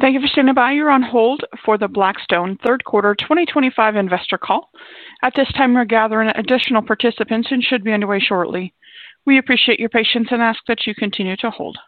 Thank you for standing by. You're on hold for the Blackstone third quarter 2025 investor call. At this time, we're gathering additional participants and should be underway shortly. We appreciate your patience and ask that you continue to hold.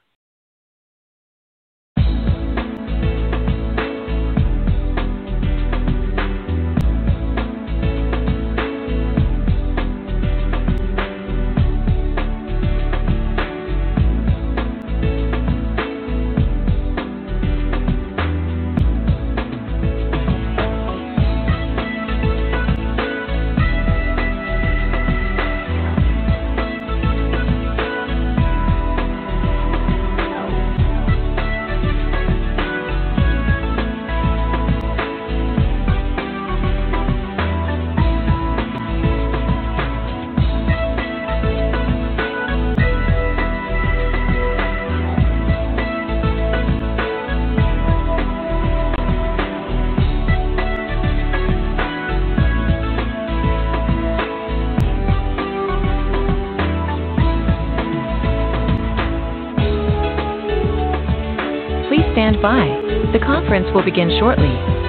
Please stand by.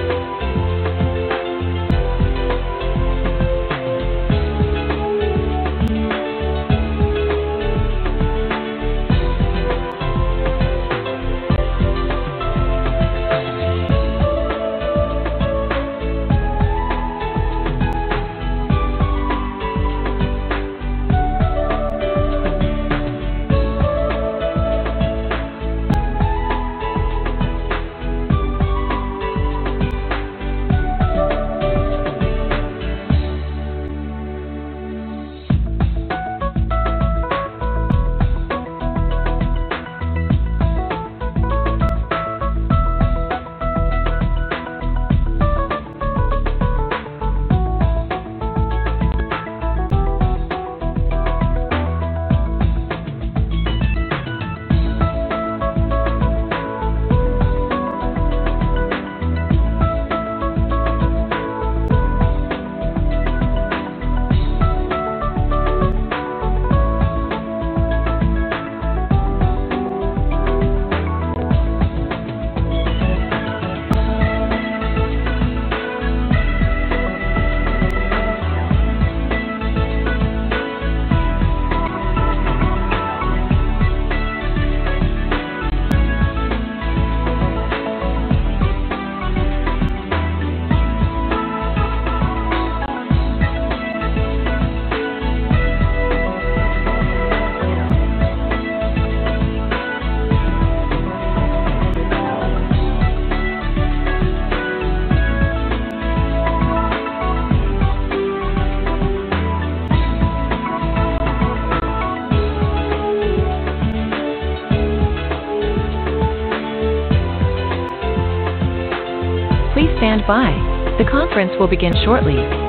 The conference will begin shortly.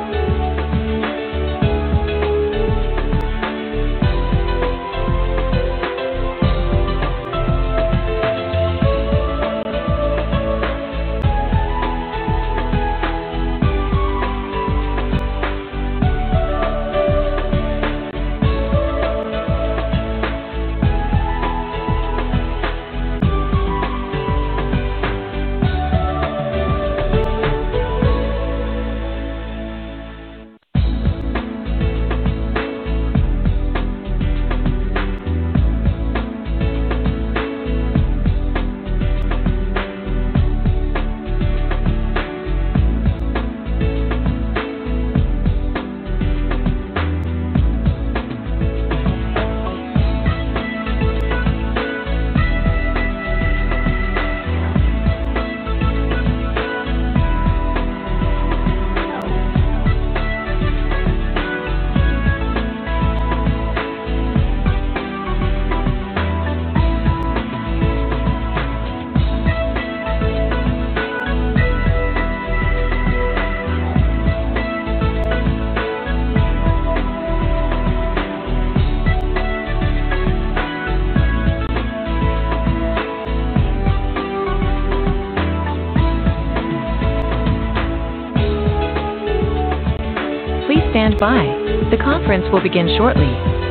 Please stand by. The conference will begin shortly. Please stand by. The conference will begin shortly.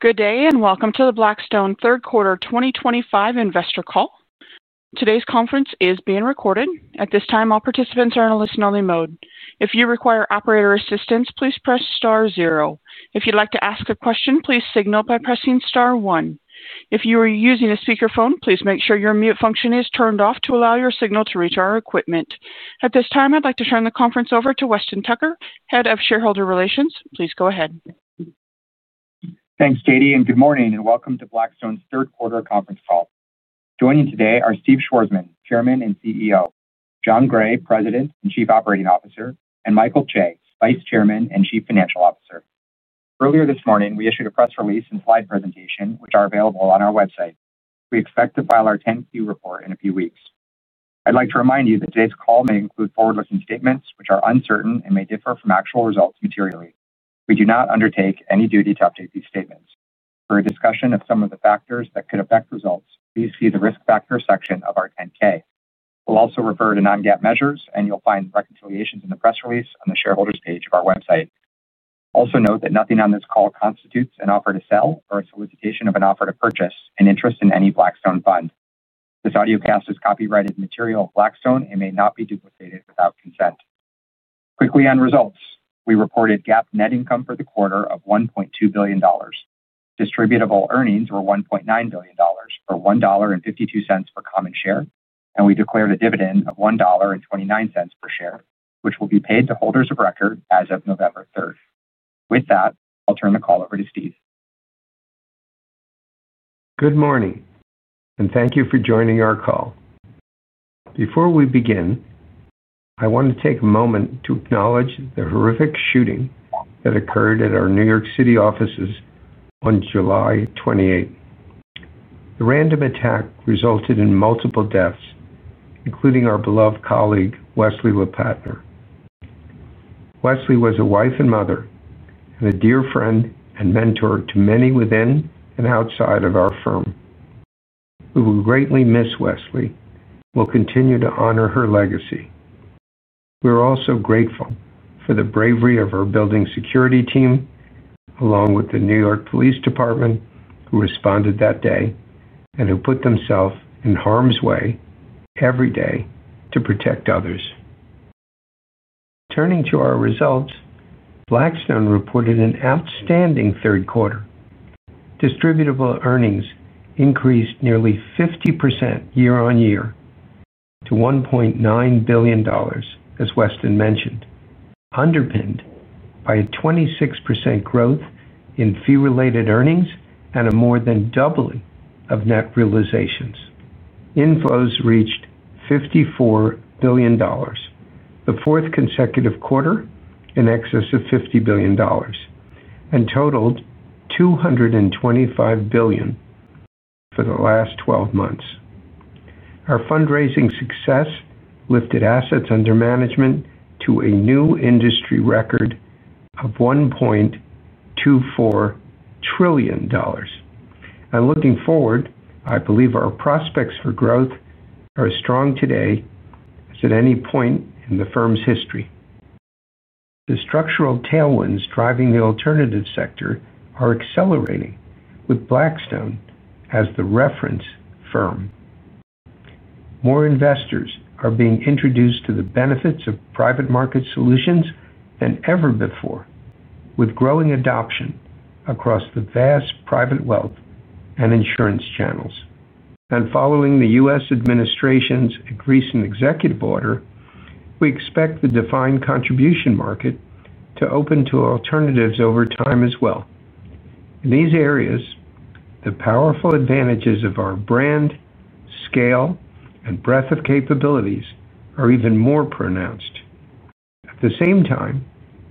Good day and welcome to the Blackstone third quarter 2025 investor call. Today's conference is being recorded. At this time, all participants are in a listen-only mode. If you require operator assistance, please press star zero. If you'd like to ask a question, please signal by pressing star one. If you are using a speaker phone, please make sure your mute function is turned off to allow your signal to reach our equipment. At this time, I'd like to turn the conference over to Weston Tucker, Head of Shareholder Relations. Please go ahead. Thanks, Katie, and good morning and welcome to Blackstone's third quarter conference call. Joining today are Steve Schwarzman, Chairman and CEO, Jon Gray, President and Chief Operating Officer, and Michael Chae, Vice Chairman and Chief Financial Officer. Earlier this morning, we issued a press release and slide presentation, which are available on our website. We expect to file our 10-Q report in a few weeks. I'd like to remind you that today's call may include forward-looking statements, which are uncertain and may differ from actual results materially. We do not undertake any duty to update these statements. For a discussion of some of the factors that could affect results, please see the risk factor section of our 10-K. We'll also refer to non-GAAP measures, and you'll find reconciliations in the press release on the shareholders' page of our website. Also note that nothing on this call constitutes an offer to sell or a solicitation of an offer to purchase an interest in any Blackstone fund. This audio cast is copyrighted material of Blackstone and may not be duplicated without consent. Quickly on results, we reported GAAP net income for the quarter of $1.2 billion. Distributable earnings were $1.9 billion or $1.52 per common share, and we declared a dividend of $1.29 per share, which will be paid to holders of record as of November 3. With that, I'll turn the call over to Steve. Good morning, and thank you for joining our call. Before we begin, I want to take a moment to acknowledge the horrific shooting that occurred at our New York City offices on July 28. The random attack resulted in multiple deaths, including our beloved colleague, Wesley Lopatner. Wesley was a wife and mother and a dear friend and mentor to many within and outside of our firm. We will greatly miss Wesley. We'll continue to honor her legacy. We're also grateful for the bravery of her building security team, along with the New York Police Department, who responded that day and who put themselves in harm's way every day to protect others. Turning to our results, Blackstone reported an outstanding third quarter. Distributable earnings increased nearly 50% year-on-year to $1.9 billion, as Weston mentioned, underpinned by a 26% growth in fee-related earnings and a more than doubling of net realizations. Inflows reached $54 billion, the fourth consecutive quarter in excess of $50 billion, and totaled $225 billion for the last 12 months. Our fundraising success lifted assets under management to a new industry record of $1.24 trillion. Looking forward, I believe our prospects for growth are as strong today as at any point in the firm's history. The structural tailwinds driving the alternative sector are accelerating with Blackstone as the reference firm. More investors are being introduced to the benefits of private market solutions than ever before, with growing adoption across the vast private wealth and insurance channels. Following the U.S. administration's recent executive order, we expect the defined contribution market to open to alternatives over time as well. In these areas, the powerful advantages of our brand, scale, and breadth of capabilities are even more pronounced. At the same time,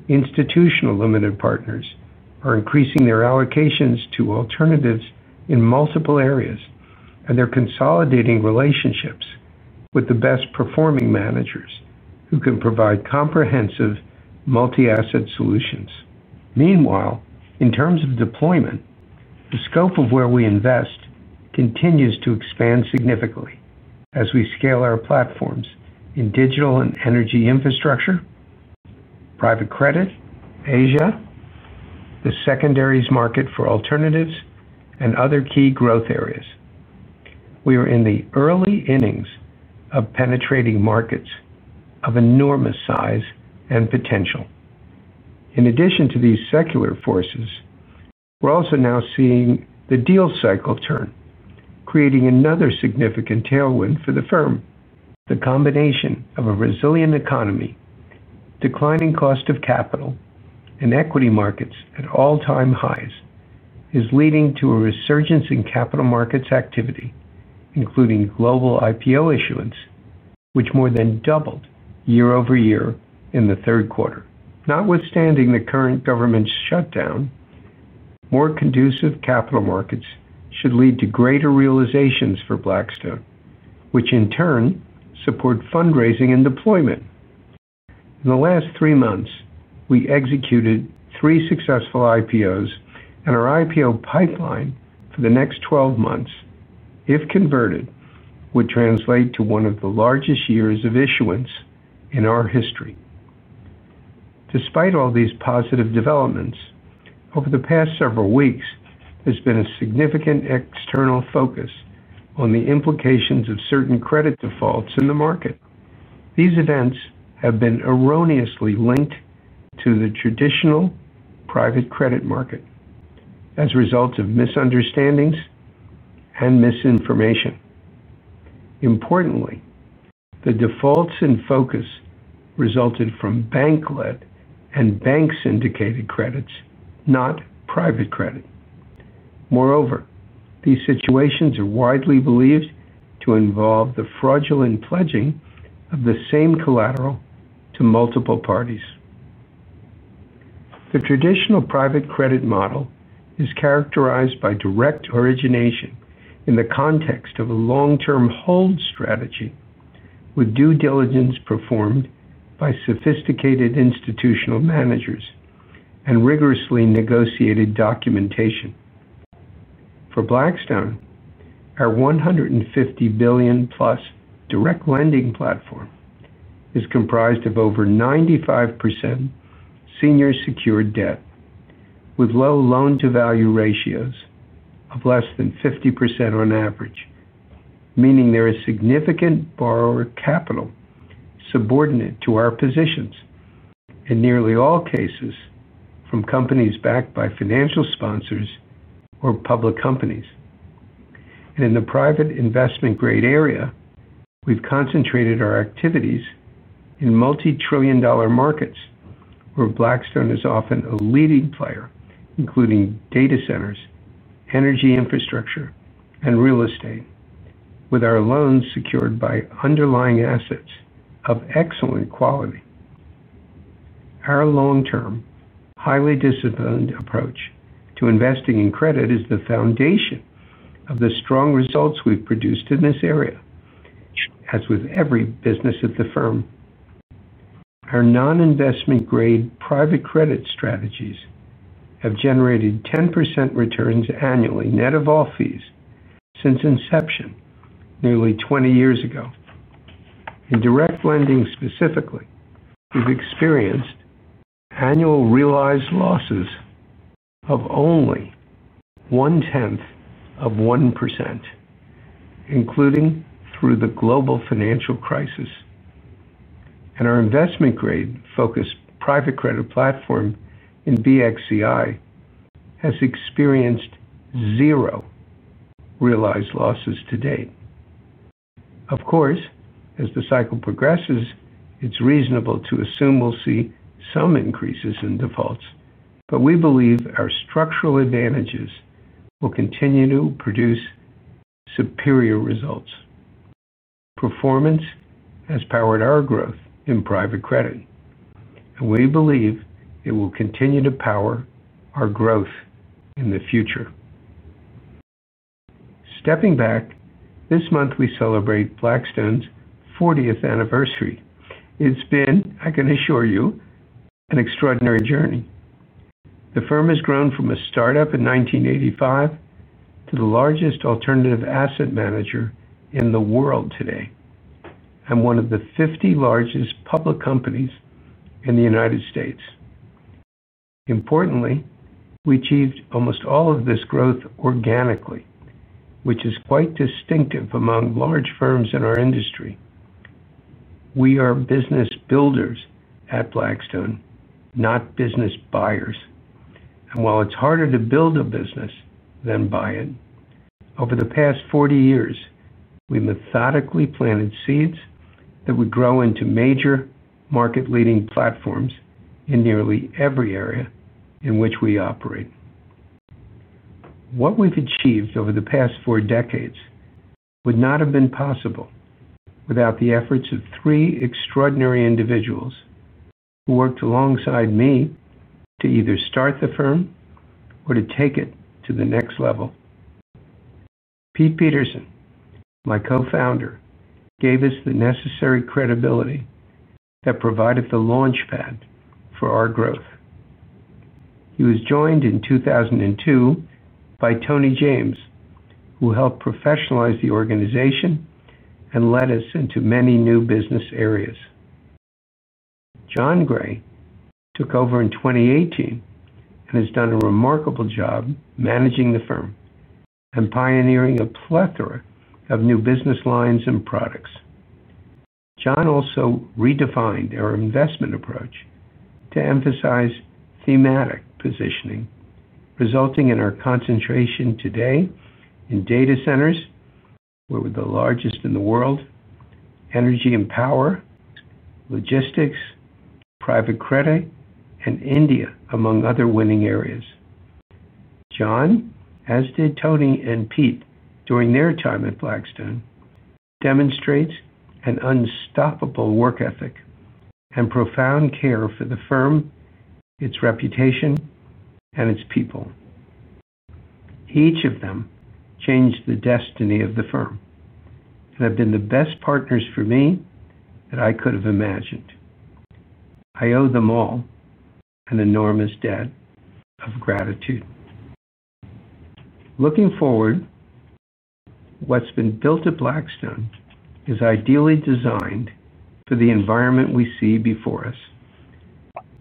institutional limited partners are increasing their allocations to alternatives in multiple areas, and they're consolidating relationships with the best performing managers who can provide comprehensive multi-asset solutions. Meanwhile, in terms of deployment, the scope of where we invest continues to expand significantly as we scale our platforms in digital and energy infrastructure, private credit, Asia, the secondaries market for alternatives, and other key growth areas. We are in the early innings of penetrating markets of enormous size and potential. In addition to these secular forces, we're also now seeing the deal cycle turn, creating another significant tailwind for the firm. The combination of a resilient economy, declining cost of capital, and equity markets at all-time highs is leading to a resurgence in capital markets activity, including global IPO issuance, which more than doubled year-over-year in the third quarter. Notwithstanding the current government shutdown, more conducive capital markets should lead to greater realizations for Blackstone, which in turn support fundraising and deployment. In the last three months, we executed three successful IPOs, and our IPO pipeline for the next 12 months, if converted, would translate to one of the largest years of issuance in our history. Despite all these positive developments, over the past several weeks, there's been a significant external focus on the implications of certain credit defaults in the market. These events have been erroneously linked to the traditional private credit market as a result of misunderstandings and misinformation. Importantly, the defaults in focus resulted from bank-led and bank syndicated credits, not private credit. Moreover, these situations are widely believed to involve the fraudulent pledging of the same collateral to multiple parties. The traditional private credit model is characterized by direct origination in the context of a long-term hold strategy, with due diligence performed by sophisticated institutional managers and rigorously negotiated documentation. For Blackstone, our $150 billion+ direct lending platform is comprised of over 95% senior secured debt, with low loan-to-value ratios of less than 50% on average, meaning there is significant borrower capital subordinate to our positions in nearly all cases from companies backed by financial sponsors or public companies. In the private investment grade area, we've concentrated our activities in multi-trillion dollar markets, where Blackstone is often a leading player, including data centers, energy infrastructure, and real estate, with our loans secured by underlying assets of excellent quality. Our long-term, highly disciplined approach to investing in credit is the foundation of the strong results we've produced in this area, as with every business at the firm. Our non-investment grade private credit strategies have generated 10% returns annually, net of all fees, since inception nearly 20 years ago. In direct lending specifically, we've experienced annual realized losses of only 0.1%, including through the global financial crisis. Our investment-grade focused private credit platform in BXCI has experienced zero realized losses to date. Of course, as the cycle progresses, it's reasonable to assume we'll see some increases in defaults, but we believe our structural advantages will continue to produce superior results. Performance has powered our growth in private credit, and we believe it will continue to power our growth in the future. Stepping back, this month we celebrate Blackstone's 40th anniversary. It's been, I can assure you, an extraordinary journey. The firm has grown from a startup in 1985 to the largest alternative asset manager in the world today. I'm one of the 50 largest public companies in the United States. Importantly, we achieved almost all of this growth organically, which is quite distinctive among large firms in our industry. We are business builders at Blackstone, not business buyers. While it's harder to build a business than buy it, over the past 40 years, we methodically planted seeds that would grow into major market-leading platforms in nearly every area in which we operate. What we've achieved over the past four decades would not have been possible without the efforts of three extraordinary individuals who worked alongside me to either start the firm or to take it to the next level. Pete Peterson, my co-founder, gave us the necessary credibility that provided the launchpad for our growth. He was joined in 2002 by Tony James, who helped professionalize the organization and led us into many new business areas. Jon Gray took over in 2018 and has done a remarkable job managing the firm and pioneering a plethora of new business lines and products. Jon also redefined our investment approach to emphasize thematic positioning, resulting in our concentration today in data centers, where we're the largest in the world, energy and power, logistics, private credit, and India, among other winning areas. Jon, as did Tony and Pete during their time at Blackstone, demonstrates an unstoppable work ethic and profound care for the firm, its reputation, and its people. Each of them changed the destiny of the firm and have been the best partners for me that I could have imagined. I owe them all an enormous debt of gratitude. Looking forward, what's been built at Blackstone is ideally designed for the environment we see before us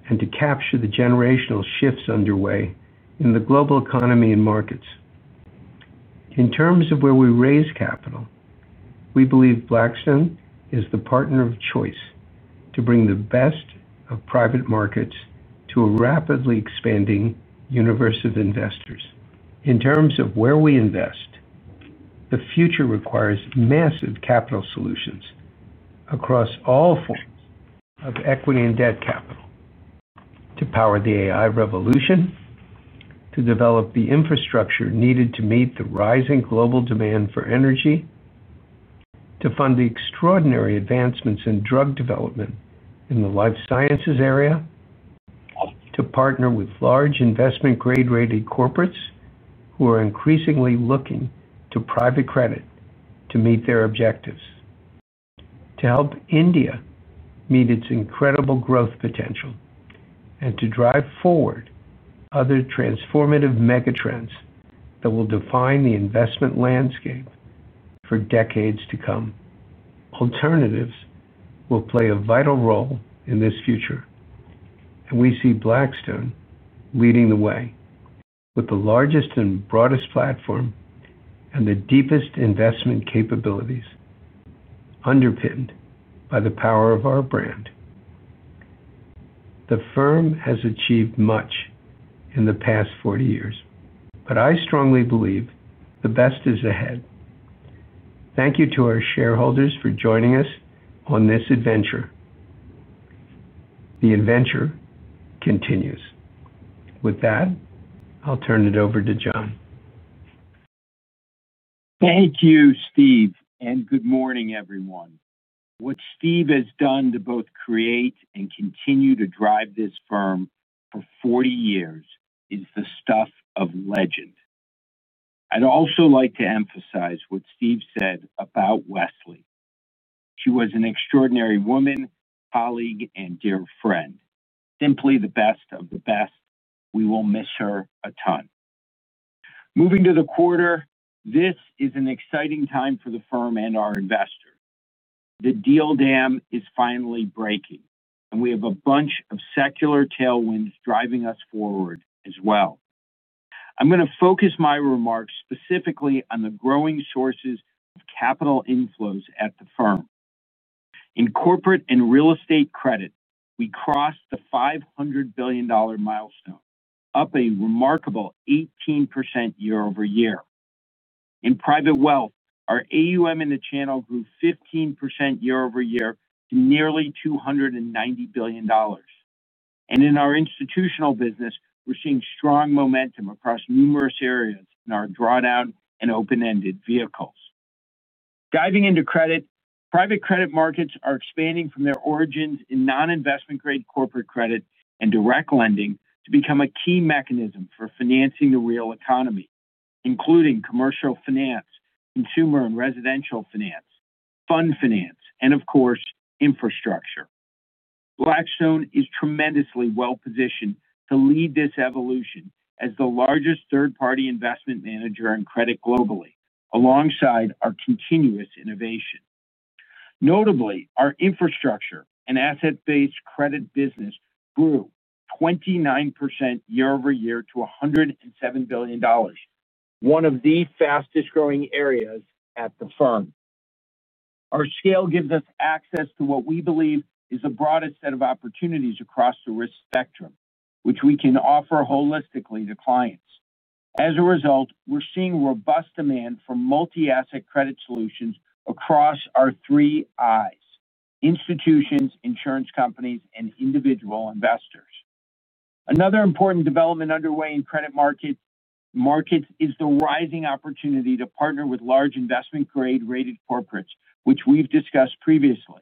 and to capture the generational shifts underway in the global economy and markets. In terms of where we raise capital, we believe Blackstone is the partner of choice to bring the best of private markets to a rapidly expanding universe of investors. In terms of where we invest, the future requires massive capital solutions across all forms of equity and debt capital to power the AI revolution, to develop the infrastructure needed to meet the rising global demand for energy, to fund the extraordinary advancements in drug development in the life sciences area, to partner with large investment grade-rated corporates who are increasingly looking to private credit to meet their objectives, to help India meet its incredible growth potential, and to drive forward other transformative megatrends that will define the investment landscape for decades to come. Alternatives will play a vital role in this future, and we see Blackstone leading the way with the largest and broadest platform and the deepest investment capabilities underpinned by the power of our brand. The firm has achieved much in the past 40 years, but I strongly believe the best is ahead. Thank you to our shareholders for joining us on this adventure. The adventure continues. With that, I'll turn it over to Jon. Thank you, Steve, and good morning, everyone. What Steve has done to both create and continue to drive this firm for 40 years is the stuff of legend. I'd also like to emphasize what Steve said about Wesley. She was an extraordinary woman, colleague, and dear friend. Simply the best of the best. We will miss her a ton. Moving to the quarter, this is an exciting time for the firm and our investors. The deal dam is finally breaking, and we have a bunch of secular tailwinds driving us forward as well. I'm going to focus my remarks specifically on the growing sources of capital inflows at the firm. In corporate and real estate credit, we crossed the $500 billion milestone, up a remarkable 18% year-over-year. In private wealth, our AUM in the channel grew 15% year-over-year to nearly $290 billion. In our institutional business, we're seeing strong momentum across numerous areas in our drawdown and open-ended vehicles. Diving into credit, private credit markets are expanding from their origins in non-investment grade corporate credit and direct lending to become a key mechanism for financing the real economy, including commercial finance, consumer and residential finance, fund finance, and of course, infrastructure. Blackstone is tremendously well-positioned to lead this evolution as the largest third-party investment manager in credit globally, alongside our continuous innovation. Notably, our infrastructure and asset-based credit business grew 29% year-over-year to $107 billion, one of the fastest growing areas at the firm. Our scale gives us access to what we believe is a broader set of opportunities across the risk spectrum, which we can offer holistically to clients. As a result, we're seeing robust demand for multi-asset credit solutions across our three I's: institutions, insurance companies, and individual investors. Another important development underway in credit markets is the rising opportunity to partner with large investment grade-rated corporates, which we've discussed previously.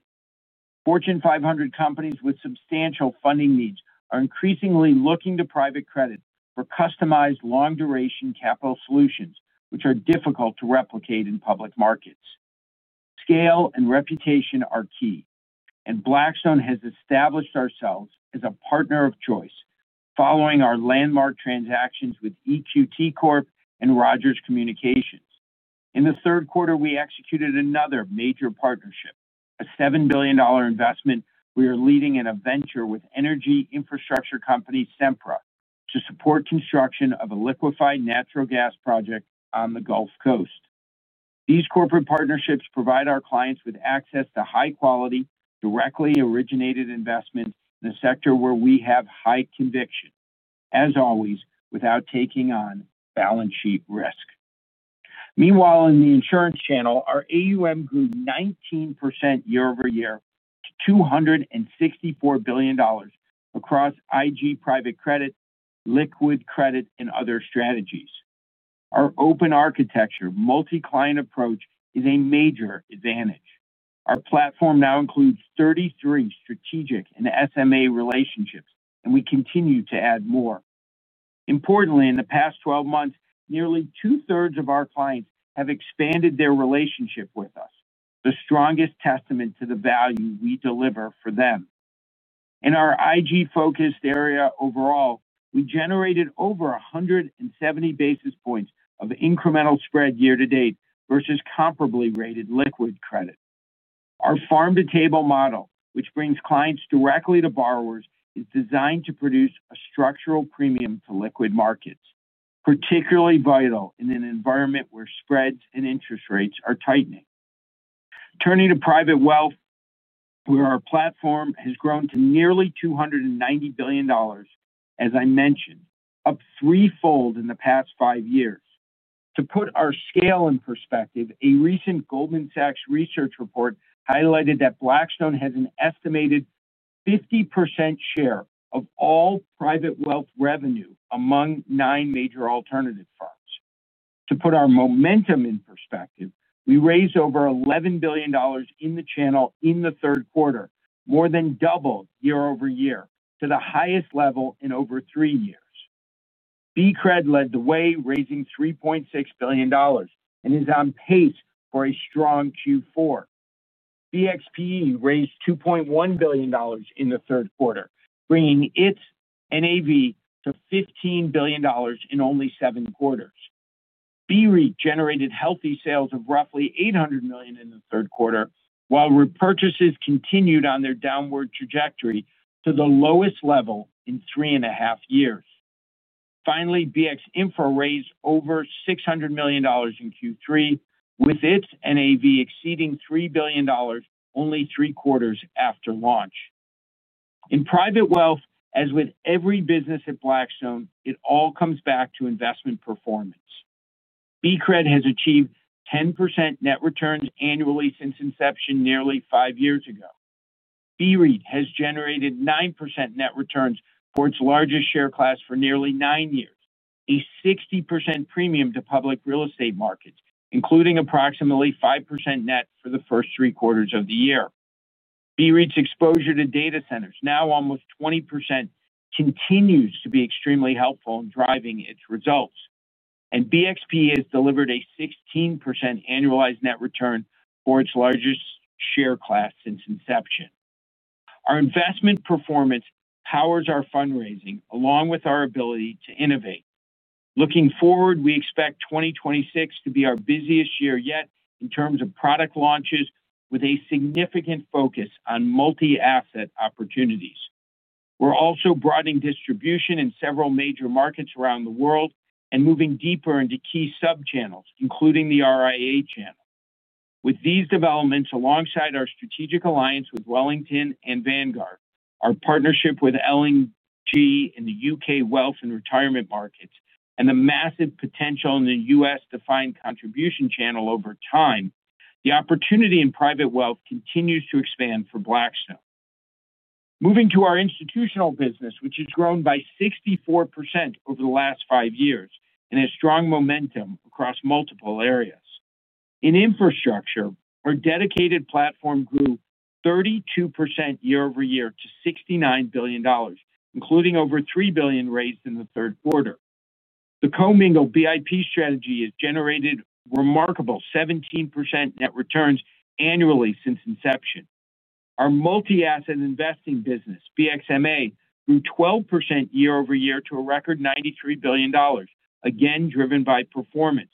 Fortune 500 companies with substantial funding needs are increasingly looking to private credit for customized long-duration capital solutions, which are difficult to replicate in public markets. Scale and reputation are key, and Blackstone has established ourselves as a partner of choice, following our landmark transactions with EQT Corp and Rogers Communications. In the third quarter, we executed another major partnership, a $7 billion investment. We are leading an adventure with energy infrastructure company Sempra to support construction of a liquefied natural gas project on the Gulf Coast. These corporate partnerships provide our clients with access to high-quality, directly originated investment in a sector where we have high conviction, as always, without taking on balance sheet risk. Meanwhile, in the insurance channel, our AUM grew 19% year-over-year to $264 billion across IG private credit, liquid credit, and other strategies. Our open architecture, multi-client approach is a major advantage. Our platform now includes 33 strategic and SMA relationships, and we continue to add more. Importantly, in the past 12 months, nearly 2/3 of our clients have expanded their relationship with us, the strongest testament to the value we deliver for them. In our IG-focused area overall, we generated over 170 basis points of incremental spread year-to-date versus comparably rated liquid credit. Our farm-to-table model, which brings clients directly to borrowers, is designed to produce a structural premium to liquid markets, particularly vital in an environment where spreads and interest rates are tightening. Turning to private wealth, where our platform has grown to nearly $290 billion, as I mentioned, up threefold in the past five years. To put our scale in perspective, a recent Goldman Sachs research report highlighted that Blackstone has an estimated 50% share of all private wealth revenue among nine major alternative firms. To put our momentum in perspective, we raised over $11 billion in the channel in the third quarter, more than doubled year-over-year to the highest level in over three years. BCRED led the way, raising $3.6 billion, and is on pace for a strong Q4. BXPE raised $2.1 billion in the third quarter, bringing its NAV to $15 billion in only seven quarters. BRE generated healthy sales of roughly $800 million in the third quarter, while repurchases continued on their downward trajectory to the lowest level in three and a half years. Finally, BX Infra raised over $600 million in Q3, with its NAV exceeding $3 billion only three quarters after launch. In private wealth, as with every business at Blackstone, it all comes back to investment performance. BCRED has achieved 10% net returns annually since inception nearly five years ago. BRE has generated 9% net returns for its largest share class for nearly nine years, a 60% premium to public real estate markets, including approximately 5% net for the first three quarters of the year. BRE's exposure to data centers, now almost 20%, continues to be extremely helpful in driving its results. BXPE has delivered a 16% annualized net return for its largest share class since inception. Our investment performance powers our fundraising along with our ability to innovate. Looking forward, we expect 2026 to be our busiest year yet in terms of product launches, with a significant focus on multi-asset opportunities. We're also broadening distribution in several major markets around the world and moving deeper into key sub-channels, including the RIA channel. With these developments, alongside our strategic alliance with Wellington and Vanguard, our partnership with LNG in the U.K. wealth and retirement markets, and the massive potential in the U.S.-defined contribution channel over time, the opportunity in private wealth continues to expand for Blackstone. Moving to our institutional business, which has grown by 64% over the last five years and has strong momentum across multiple areas. In infrastructure, our dedicated platform grew 32% year-over-year to $69 billion, including over $3 billion raised in the third quarter. The co-mingled BIP strategy has generated remarkable 17% net returns annually since inception. Our multi-asset investing business, BXMA, grew 12% year-over-year to a record $93 billion, again driven by performance.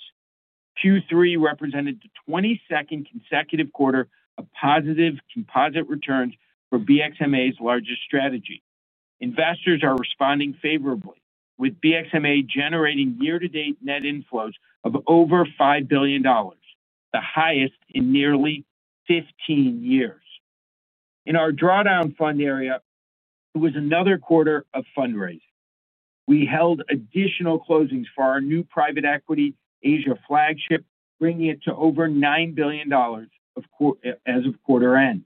Q3 represented the 22nd consecutive quarter of positive composite returns for BXMA's largest strategy. Investors are responding favorably, with BXMA generating year-to-date net inflows of over $5 billion, the highest in nearly 15 years. In our drawdown fund area, it was another quarter of fundraising. We held additional closings for our new private equity Asia flagship, bringing it to over $9 billion as of quarter end,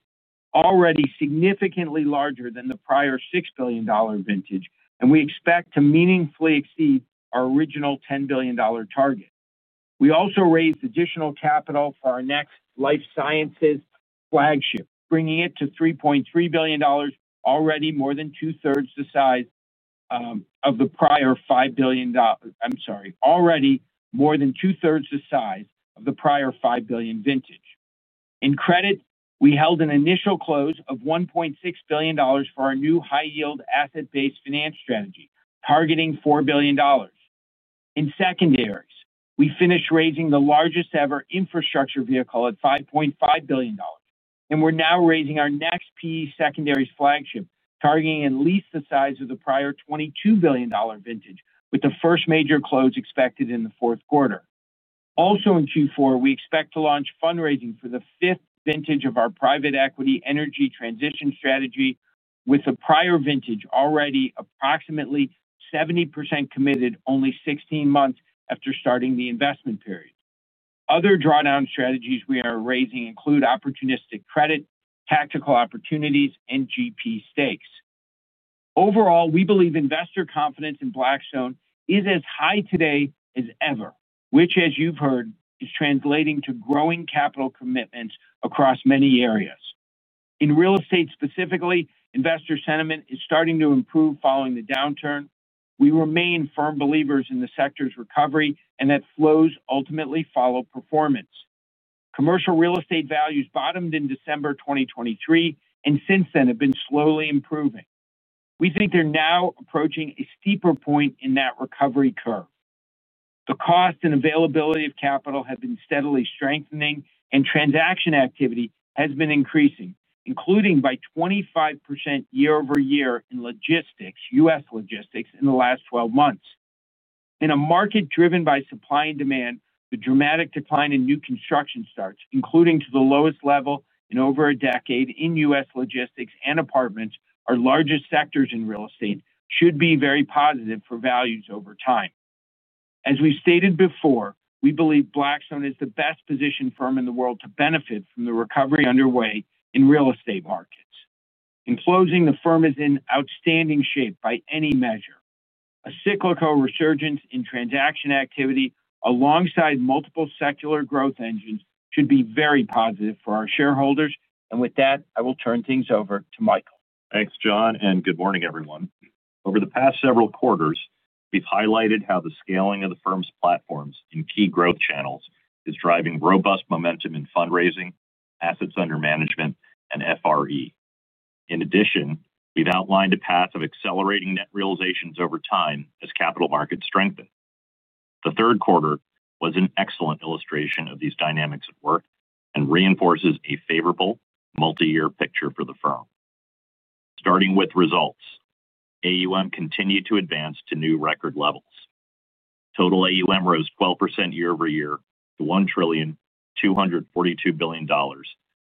already significantly larger than the prior $6 billion vintage, and we expect to meaningfully exceed our original $10 billion target. We also raised additional capital for our next life sciences flagship, bringing it to $3.3 billion, already more than 2/3 the size of the prior $5 billion vintage. In credit, we held an initial close of $1.6 billion for our new high-yield asset-based finance strategy, targeting $4 billion. In secondaries, we finished raising the largest ever infrastructure vehicle at $5.5 billion, and we're now raising our next PE secondaries flagship, targeting at least the size of the prior $22 billion vintage, with the first major close expected in the fourth quarter. Also in Q4, we expect to launch fundraising for the fifth vintage of our private equity energy transition strategy, with the prior vintage already approximately 70% committed only 16 months after starting the investment period. Other drawdown strategies we are raising include opportunistic credit, tactical opportunities, and GP stakes. Overall, we believe investor confidence in Blackstone is as high today as ever, which, as you've heard, is translating to growing capital commitments across many areas. In real estate specifically, investor sentiment is starting to improve following the downturn. We remain firm believers in the sector's recovery and that flows ultimately follow performance. Commercial real estate values bottomed in December 2023 and since then have been slowly improving. We think they're now approaching a steeper point in that recovery curve. The cost and availability of capital have been steadily strengthening, and transaction activity has been increasing, including by 25% year-over-year in U.S. logistics in the last 12 months. In a market driven by supply and demand, the dramatic decline in new construction starts, including to the lowest level in over a decade in U.S. logistics and apartments, our largest sectors in real estate, should be very positive for values over time. As we've stated before, we believe Blackstone is the best positioned firm in the world to benefit from the recovery underway in real estate markets. In closing, the firm is in outstanding shape by any measure. A cyclical resurgence in transaction activity, alongside multiple secular growth engines, should be very positive for our shareholders. With that, I will turn things over to Michael. Thanks, Jon, and good morning, everyone. Over the past several quarters, we've highlighted how the scaling of the firm's platforms in key growth channels is driving robust momentum in fundraising, assets under management, and FRE. In addition, we've outlined a path of accelerating net realizations over time as capital markets strengthen. The third quarter was an excellent illustration of these dynamics at work and reinforces a favorable multi-year picture for the firm. Starting with results, AUM continued to advance to new record levels. Total AUM rose 12% year-over-year to $1,242 billion,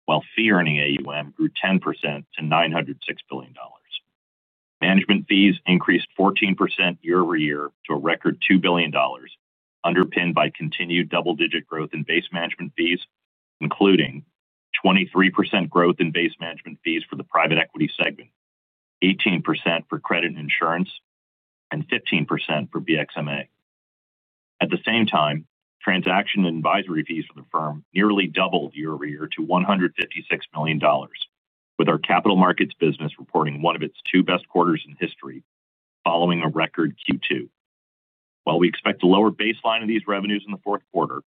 while fee-earning AUM grew 10% to $906 billion. Management fees increased 14% year-over-year to a record $2 billion, underpinned by continued double-digit growth in base management fees, including 23% growth in base management fees for the private equity segment, 18% for credit and insurance, and 15% for BXMA. At the same time, transaction and advisory fees for the firm nearly doubled year-over-year to $156 million, with our capital markets business reporting one of its two best quarters in history following a record Q2. While we expect a lower baseline of these revenues in the fourth quarter,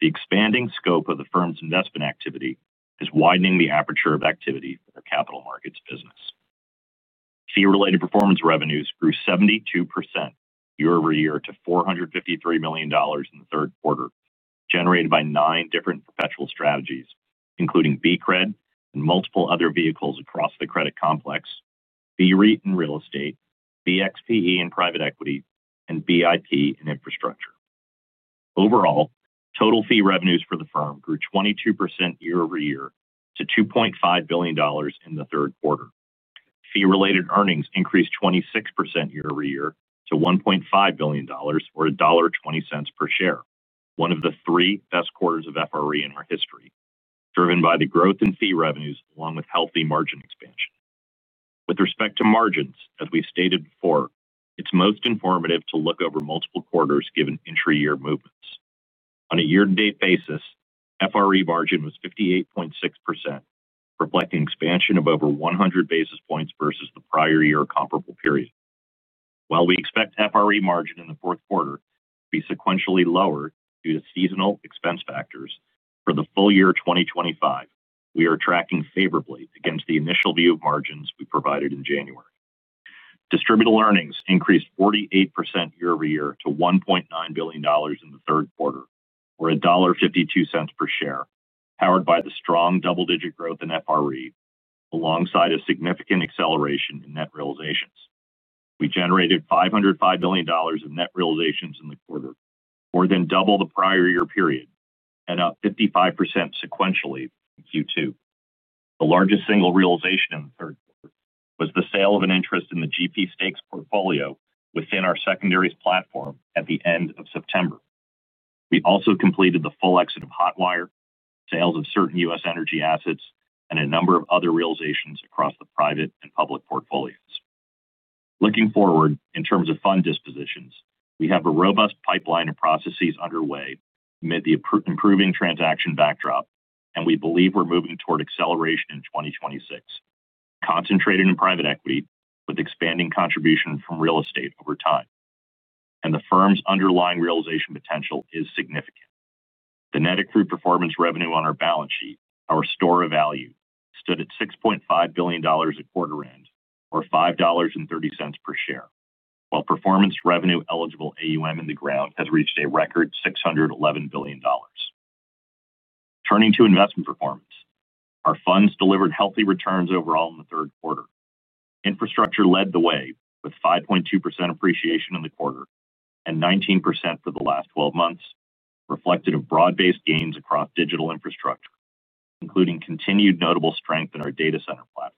the expanding scope of the firm's investment activity is widening the aperture of activity for the capital markets business. Fee-related performance revenues grew 72% year-over-year to $453 million in the third quarter, generated by nine different perpetual strategies, including BCRED and multiple other vehicles across the credit complex, BRE in real estate, BXPE in private equity, and BIP in infrastructure. Overall, total fee revenues for the firm grew 22% year-over-year to $2.5 billion in the third quarter. Fee-related earnings increased 26% year-over-year to $1.5 billion, or $1.20 per share, one of the three best quarters of FRE in our history, driven by the growth in fee revenues along with healthy margin expansion. With respect to margins, as we've stated before, it's most informative to look over multiple quarters given entry-year movements. On a year-to-date basis, FRE margin was 58.6%, reflecting expansion of over 100 basis points versus the prior year comparable period. While we expect FRE margin in the fourth quarter to be sequentially lower due to seasonal expense factors, for the full year 2025, we are tracking favorably against the initial view of margins we provided in January. Distributable earnings increased 48% year-over-year to $1.9 billion in the third quarter, or $1.52 per share, powered by the strong double-digit growth in FRE alongside a significant acceleration in net realizations. We generated $5.05 billion in net realizations in the quarter, more than double the prior year period, and up 55% sequentially in Q2. The largest single realization in the third quarter was the sale of an interest in the GP stakes portfolio within our secondaries platform at the end of September. We also completed the full exit of Hotwire, sales of certain U.S. energy assets, and a number of other realizations across the private and public portfolios. Looking forward in terms of fund dispositions, we have a robust pipeline of processes underway amid the improving transaction backdrop, and we believe we're moving toward acceleration in 2026, concentrated in private equity with expanding contribution from real estate over time. The firm's underlying realization potential is significant. The net accrued performance revenue on our balance sheet, our store of value, stood at $6.5 billion at quarter end, or $5.30 per share, while performance revenue eligible AUM in the ground has reached a record $611 billion. Turning to investment performance, our funds delivered healthy returns overall in the third quarter. Infrastructure led the way with 5.2% appreciation in the quarter and 19% for the last 12 months, reflected in broad-based gains across digital infrastructure, including continued notable strength in our data center platform,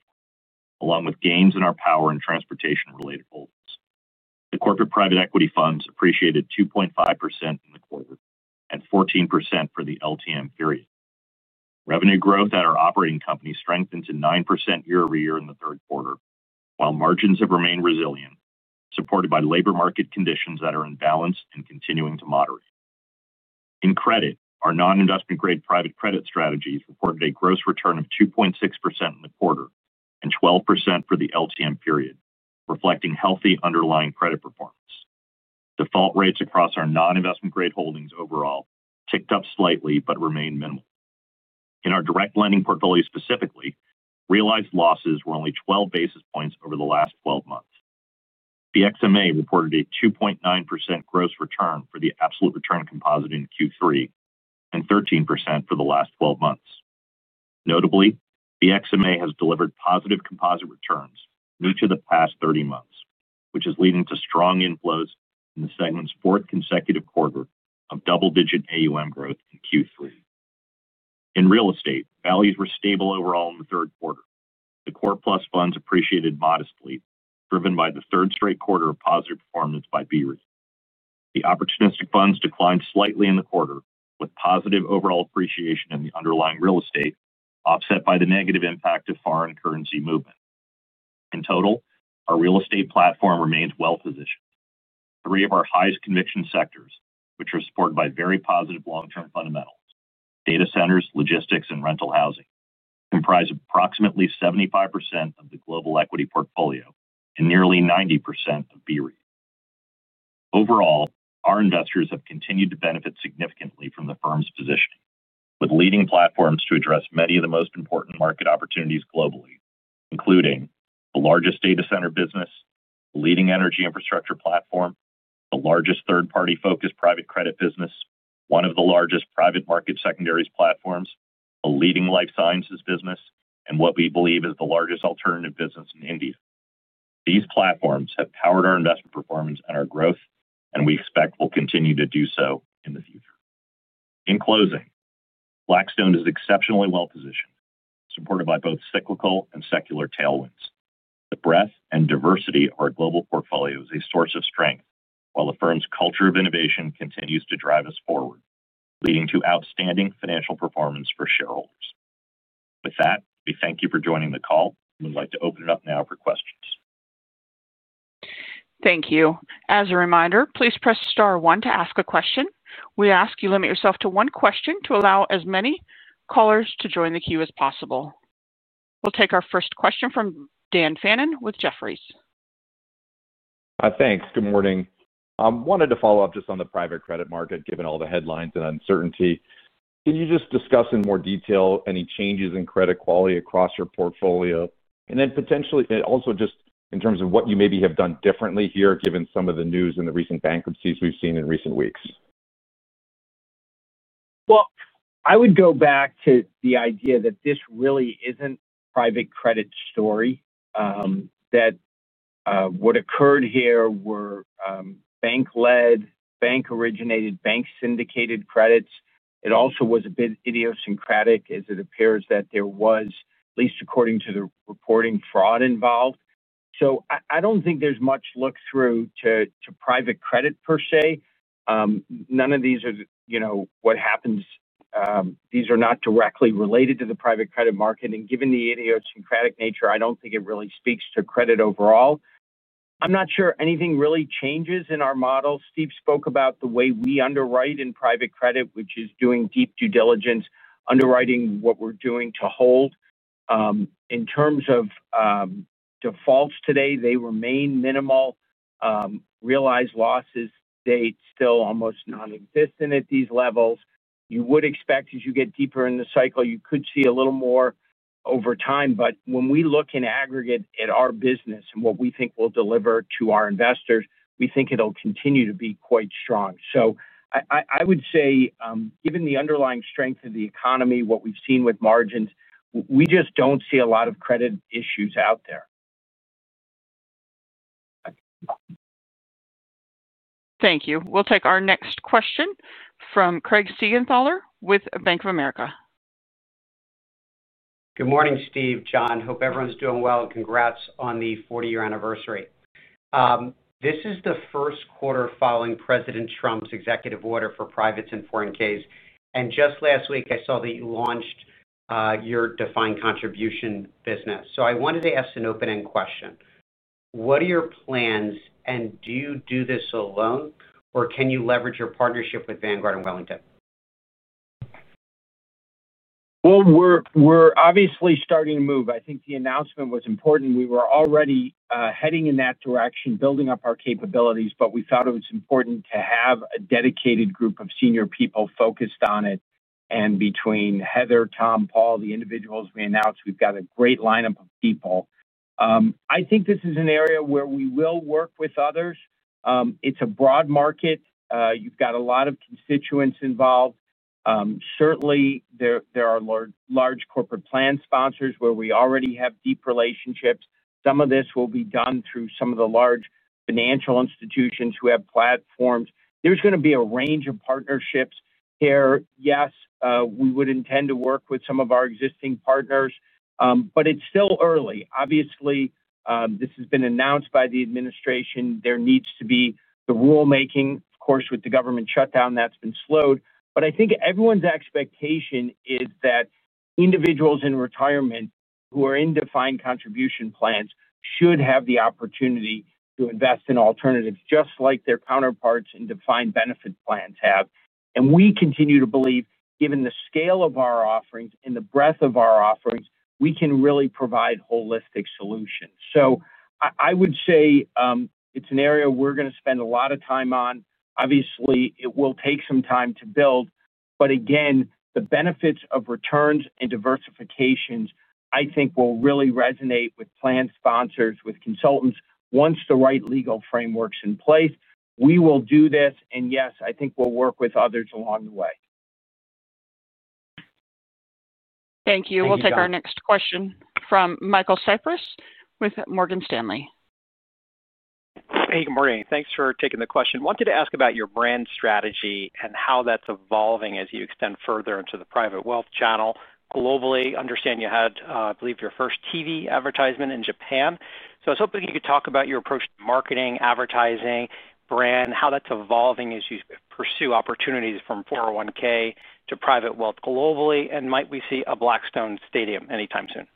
along with gains in our power and transportation-related holdings. The corporate private equity funds appreciated 2.5% in the quarter and 14% for the LTM period. Revenue growth at our operating company strengthened to 9% year-over-year in the third quarter, while margins have remained resilient, supported by labor market conditions that are in balance and continuing to moderate. In credit, our non-investment grade private credit strategies reported a gross return of 2.6% in the quarter and 12% for the LTM period, reflecting healthy underlying credit performance. Default rates across our non-investment grade holdings overall ticked up slightly but remain minimal. In our direct lending portfolio specifically, realized losses were only 12 basis points over the last 12 months. BXMA reported a 2.9% gross return for the absolute return composite in Q3 and 13% for the last 12 months. Notably, BXMA has delivered positive composite returns in each of the past 30 months, which is leading to strong inflows in the segment's fourth consecutive quarter of double-digit AUM growth in Q3. In real estate, values were stable overall in the third quarter. The core plus funds appreciated modestly, driven by the third straight quarter of positive performance by BRE. The opportunistic funds declined slightly in the quarter, with positive overall appreciation in the underlying real estate, offset by the negative impact of foreign currency movement. In total, our real estate platform remains well-positioned. Three of our highest conviction sectors, which are supported by very positive long-term fundamentals: data centers, logistics, and rental housing, comprise approximately 75% of the global equity portfolio and nearly 90% of BRE. Overall, our investors have continued to benefit significantly from the firm's positioning, with leading platforms to address many of the most important market opportunities globally, including the largest data center business, the leading energy infrastructure platform, the largest third-party focused private credit business, one of the largest private market secondaries platforms, a leading life sciences business, and what we believe is the largest alternative business in India. These platforms have powered our investment performance and our growth, and we expect we'll continue to do so in the future. In closing, Blackstone is exceptionally well-positioned, supported by both cyclical and secular tailwinds. The breadth and diversity of our global portfolio is a source of strength, while the firm's culture of innovation continues to drive us forward, leading to outstanding financial performance for shareholders. With that, we thank you for joining the call and would like to open it up now for questions. Thank you. As a reminder, please press star one to ask a question. We ask you to limit yourself to one question to allow as many callers to join the queue as possible. We'll take our first question from Dan Fannon with Jefferies. Thanks. Good morning. I wanted to follow up just on the private credit market, given all the headlines and uncertainty. Can you just discuss in more detail any changes in credit quality across your portfolio? Also, just in terms of what you maybe have done differently here, given some of the news and the recent bankruptcies we've seen in recent weeks? I would go back to the idea that this really isn't a private credit story. What occurred here were bank-led, bank-originated, bank-syndicated credits. It also was a bit idiosyncratic, as it appears that there was, at least according to the reporting, fraud involved. I don't think there's much look through to private credit per se. None of these are, you know, what happens. These are not directly related to the private credit market. Given the idiosyncratic nature, I don't think it really speaks to credit overall. I'm not sure anything really changes in our model. Steve spoke about the way we underwrite in private credit, which is doing deep due diligence, underwriting what we're doing to hold. In terms of defaults today, they remain minimal. Realized losses today still almost nonexistent at these levels. You would expect, as you get deeper in the cycle, you could see a little more over time. When we look in aggregate at our business and what we think we'll deliver to our investors, we think it'll continue to be quite strong. I would say, given the underlying strength of the economy, what we've seen with margins, we just don't see a lot of credit issues out there. Thank you. We'll take our next question from Craig Siegenthaler with Bank of America. Good morning, Steve. Jon, hope everyone's doing well and congrats on the 40-year anniversary. This is the first quarter following President Trump's executive order for privates and 401(k)s. Just last week, I saw that you launched your defined contribution business. I wanted to ask an open-ended question. What are your plans, and do you do this alone, or can you leverage your partnership with Vanguard and Wellington? We're obviously starting to move. I think the announcement was important. We were already heading in that direction, building up our capabilities, but we thought it was important to have a dedicated group of senior people focused on it. Between Heather, Tom, Paul, the individuals we announced, we've got a great lineup of people. I think this is an area where we will work with others. It's a broad market. You've got a lot of constituents involved. Certainly, there are large corporate plan sponsors where we already have deep relationships. Some of this will be done through some of the large financial institutions who have platforms. There's going to be a range of partnerships here. Yes, we would intend to work with some of our existing partners, but it's still early. Obviously, this has been announced by the administration. There needs to be the rulemaking, of course, with the government shutdown that's been slowed. I think everyone's expectation is that individuals in retirement who are in defined contribution plans should have the opportunity to invest in alternatives just like their counterparts in defined benefit plans have. We continue to believe, given the scale of our offerings and the breadth of our offerings, we can really provide holistic solutions. I would say it's an area we're going to spend a lot of time on. Obviously, it will take some time to build. Again, the benefits of returns and diversification I think will really resonate with plan sponsors and with consultants. Once the right legal framework's in place, we will do this. Yes, I think we'll work with others along the way. Thank you. We'll take our next question from Michael Cyprys with Morgan Stanley. Hey, good morning. Thanks for taking the question. I wanted to ask about your brand strategy and how that's evolving as you extend further into the private wealth channel globally. I understand you had, I believe, your first TV advertisement in Japan. I was hoping you could talk about your approach to marketing, advertising, brand, and how that's evolving as you pursue opportunities from 401(k) to private wealth globally. Might we see a Blackstone stadium anytime soon?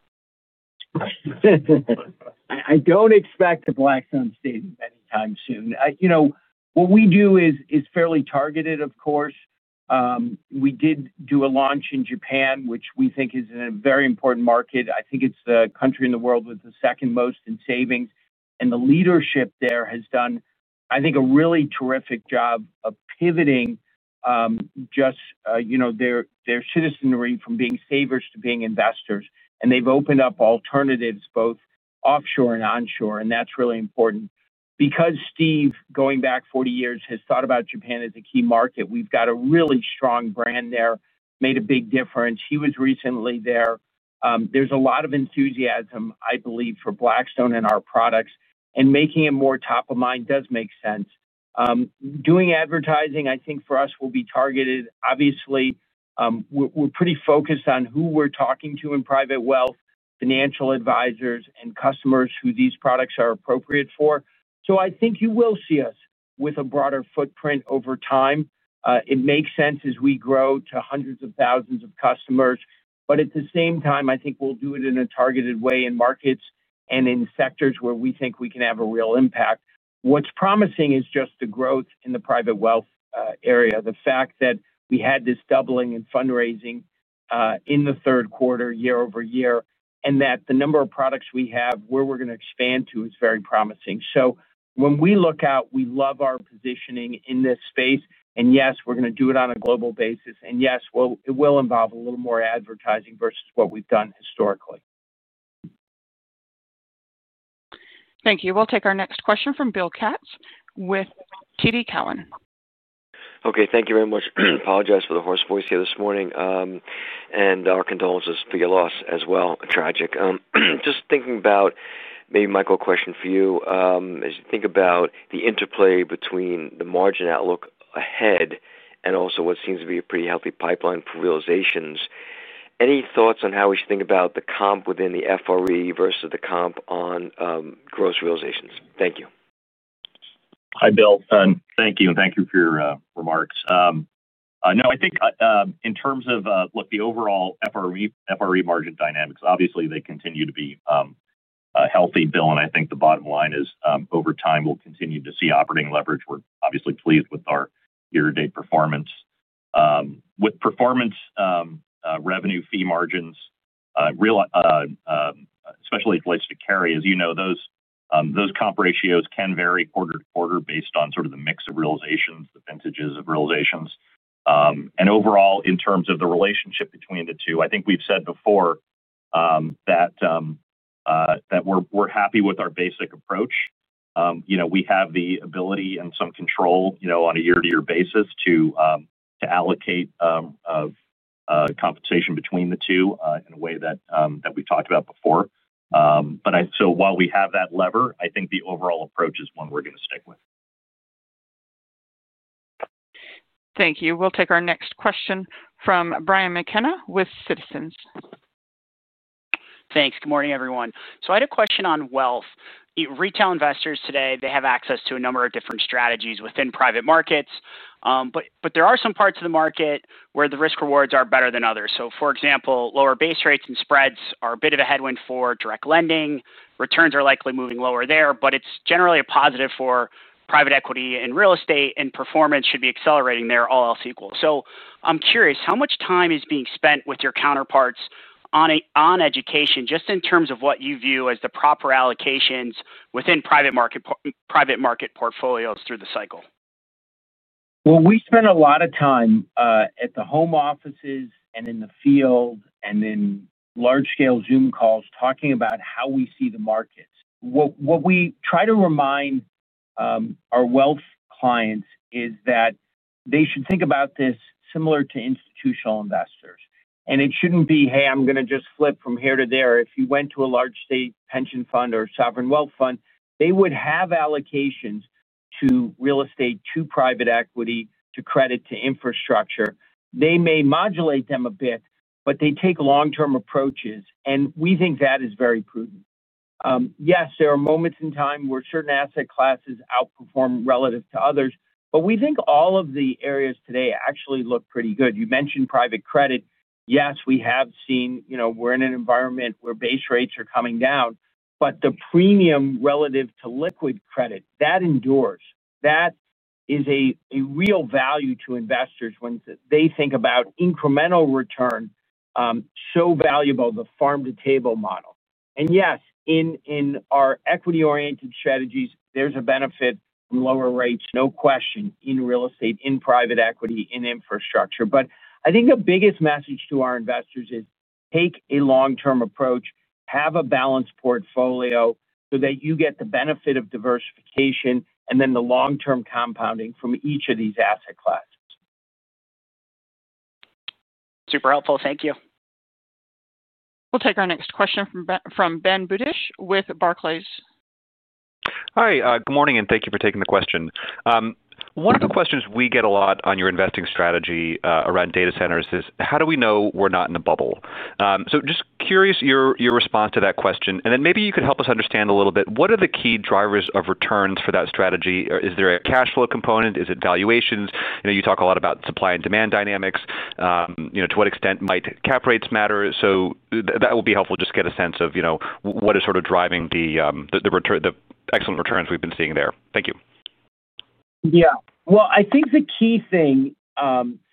I don't expect a Blackstone stadium anytime soon. What we do is fairly targeted, of course. We did do a launch in Japan, which we think is a very important market. I think it's the country in the world with the second most in savings, and the leadership there has done, I think, a really terrific job of pivoting, just their citizenry from being savers to being investors. They've opened up alternatives both offshore and onshore, and that's really important. Because Steve, going back 40 years, has thought about Japan as a key market, we've got a really strong brand there, made a big difference. He was recently there. There's a lot of enthusiasm, I believe, for Blackstone and our products, and making it more top of mind does make sense. Doing advertising, I think for us, will be targeted. Obviously, we're pretty focused on who we're talking to in private wealth, financial advisors, and customers who these products are appropriate for. I think you will see us with a broader footprint over time. It makes sense as we grow to hundreds of thousands of customers. At the same time, I think we'll do it in a targeted way in markets and in sectors where we think we can have a real impact. What's promising is just the growth in the private wealth area, the fact that we had this doubling in fundraising in the third quarter year-over-year, and that the number of products we have, where we're going to expand to, is very promising. When we look out, we love our positioning in this space. Yes, we're going to do it on a global basis, and yes, it will involve a little more advertising versus what we've done historically. Thank you. We'll take our next question from Bill Katz with TD Cowen. Okay. Thank you very much. Apologize for the hoarse voice here this morning, and our condolences for your loss as well, tragic. Just thinking about maybe Michael, a question for you. As you think about the interplay between the margin outlook ahead and also what seems to be a pretty healthy pipeline for realizations, any thoughts on how we should think about the comp within the FRE versus the comp on gross realizations? Thank you. Hi Bill, thank you. And thank you for your remarks. I think, in terms of the overall FRE margin dynamics, obviously, they continue to be healthy, Bill. I think the bottom line is, over time, we'll continue to see operating leverage. We're obviously pleased with our year-to-date performance, with performance, revenue fee margins, real, especially as it relates to carry. As you know, those comp ratios can vary quarter to quarter based on the mix of realizations, the vintages of realizations. Overall, in terms of the relationship between the two, I think we've said before that we're happy with our basic approach. We have the ability and some control on a year-to-year basis to allocate compensation between the two in a way that we've talked about before. While we have that lever, I think the overall approach is one we're going to stick with. Thank you. We'll take our next question from Brian McKenna with Citizens. Thanks. Good morning, everyone. I had a question on wealth. Retail investors today have access to a number of different strategies within private markets, but there are some parts of the market where the risk rewards are better than others. For example, lower base rates and spreads are a bit of a headwind for direct lending. Returns are likely moving lower there, but it's generally a positive for private equity and real estate, and performance should be accelerating there, all else equal. I'm curious how much time is being spent with your counterparts on education, just in terms of what you view as the proper allocations within private market portfolios through the cycle? We spend a lot of time at the home offices and in the field and in large-scale Zoom calls talking about how we see the markets. What we try to remind our wealth clients is that they should think about this similar to institutional investors. It shouldn't be, "Hey, I'm going to just flip from here to there." If you went to a large state pension fund or sovereign wealth fund, they would have allocations to real estate, to private equity, to credit, to infrastructure. They may modulate them a bit, but they take long-term approaches. We think that is very prudent. Yes, there are moments in time where certain asset classes outperform relative to others, but we think all of the areas today actually look pretty good. You mentioned private credit. Yes, we have seen we're in an environment where base rates are coming down, but the premium relative to liquid credit, that endures. That is a real value to investors when they think about incremental return, so valuable, the farm-to-table model. Yes, in our equity-oriented strategies, there's a benefit from lower rates, no question, in real estate, in private equity, in infrastructure. I think the biggest message to our investors is take a long-term approach, have a balanced portfolio so that you get the benefit of diversification and then the long-term compounding from each of these asset classes. Super helpful. Thank you. We'll take our next question from Ben Budish with Barclays. Hi. Good morning, and thank you for taking the question. One of the questions we get a lot on your investing strategy around data centers is how do we know we're not in a bubble? Just curious your response to that question. Maybe you could help us understand a little bit, what are the key drivers of returns for that strategy? Is there a cash flow component? Is it valuations? You talk a lot about supply and demand dynamics. To what extent might cap rates matter? That would be helpful to just get a sense of what is sort of driving the excellent returns we've been seeing there. Thank you. I think the key thing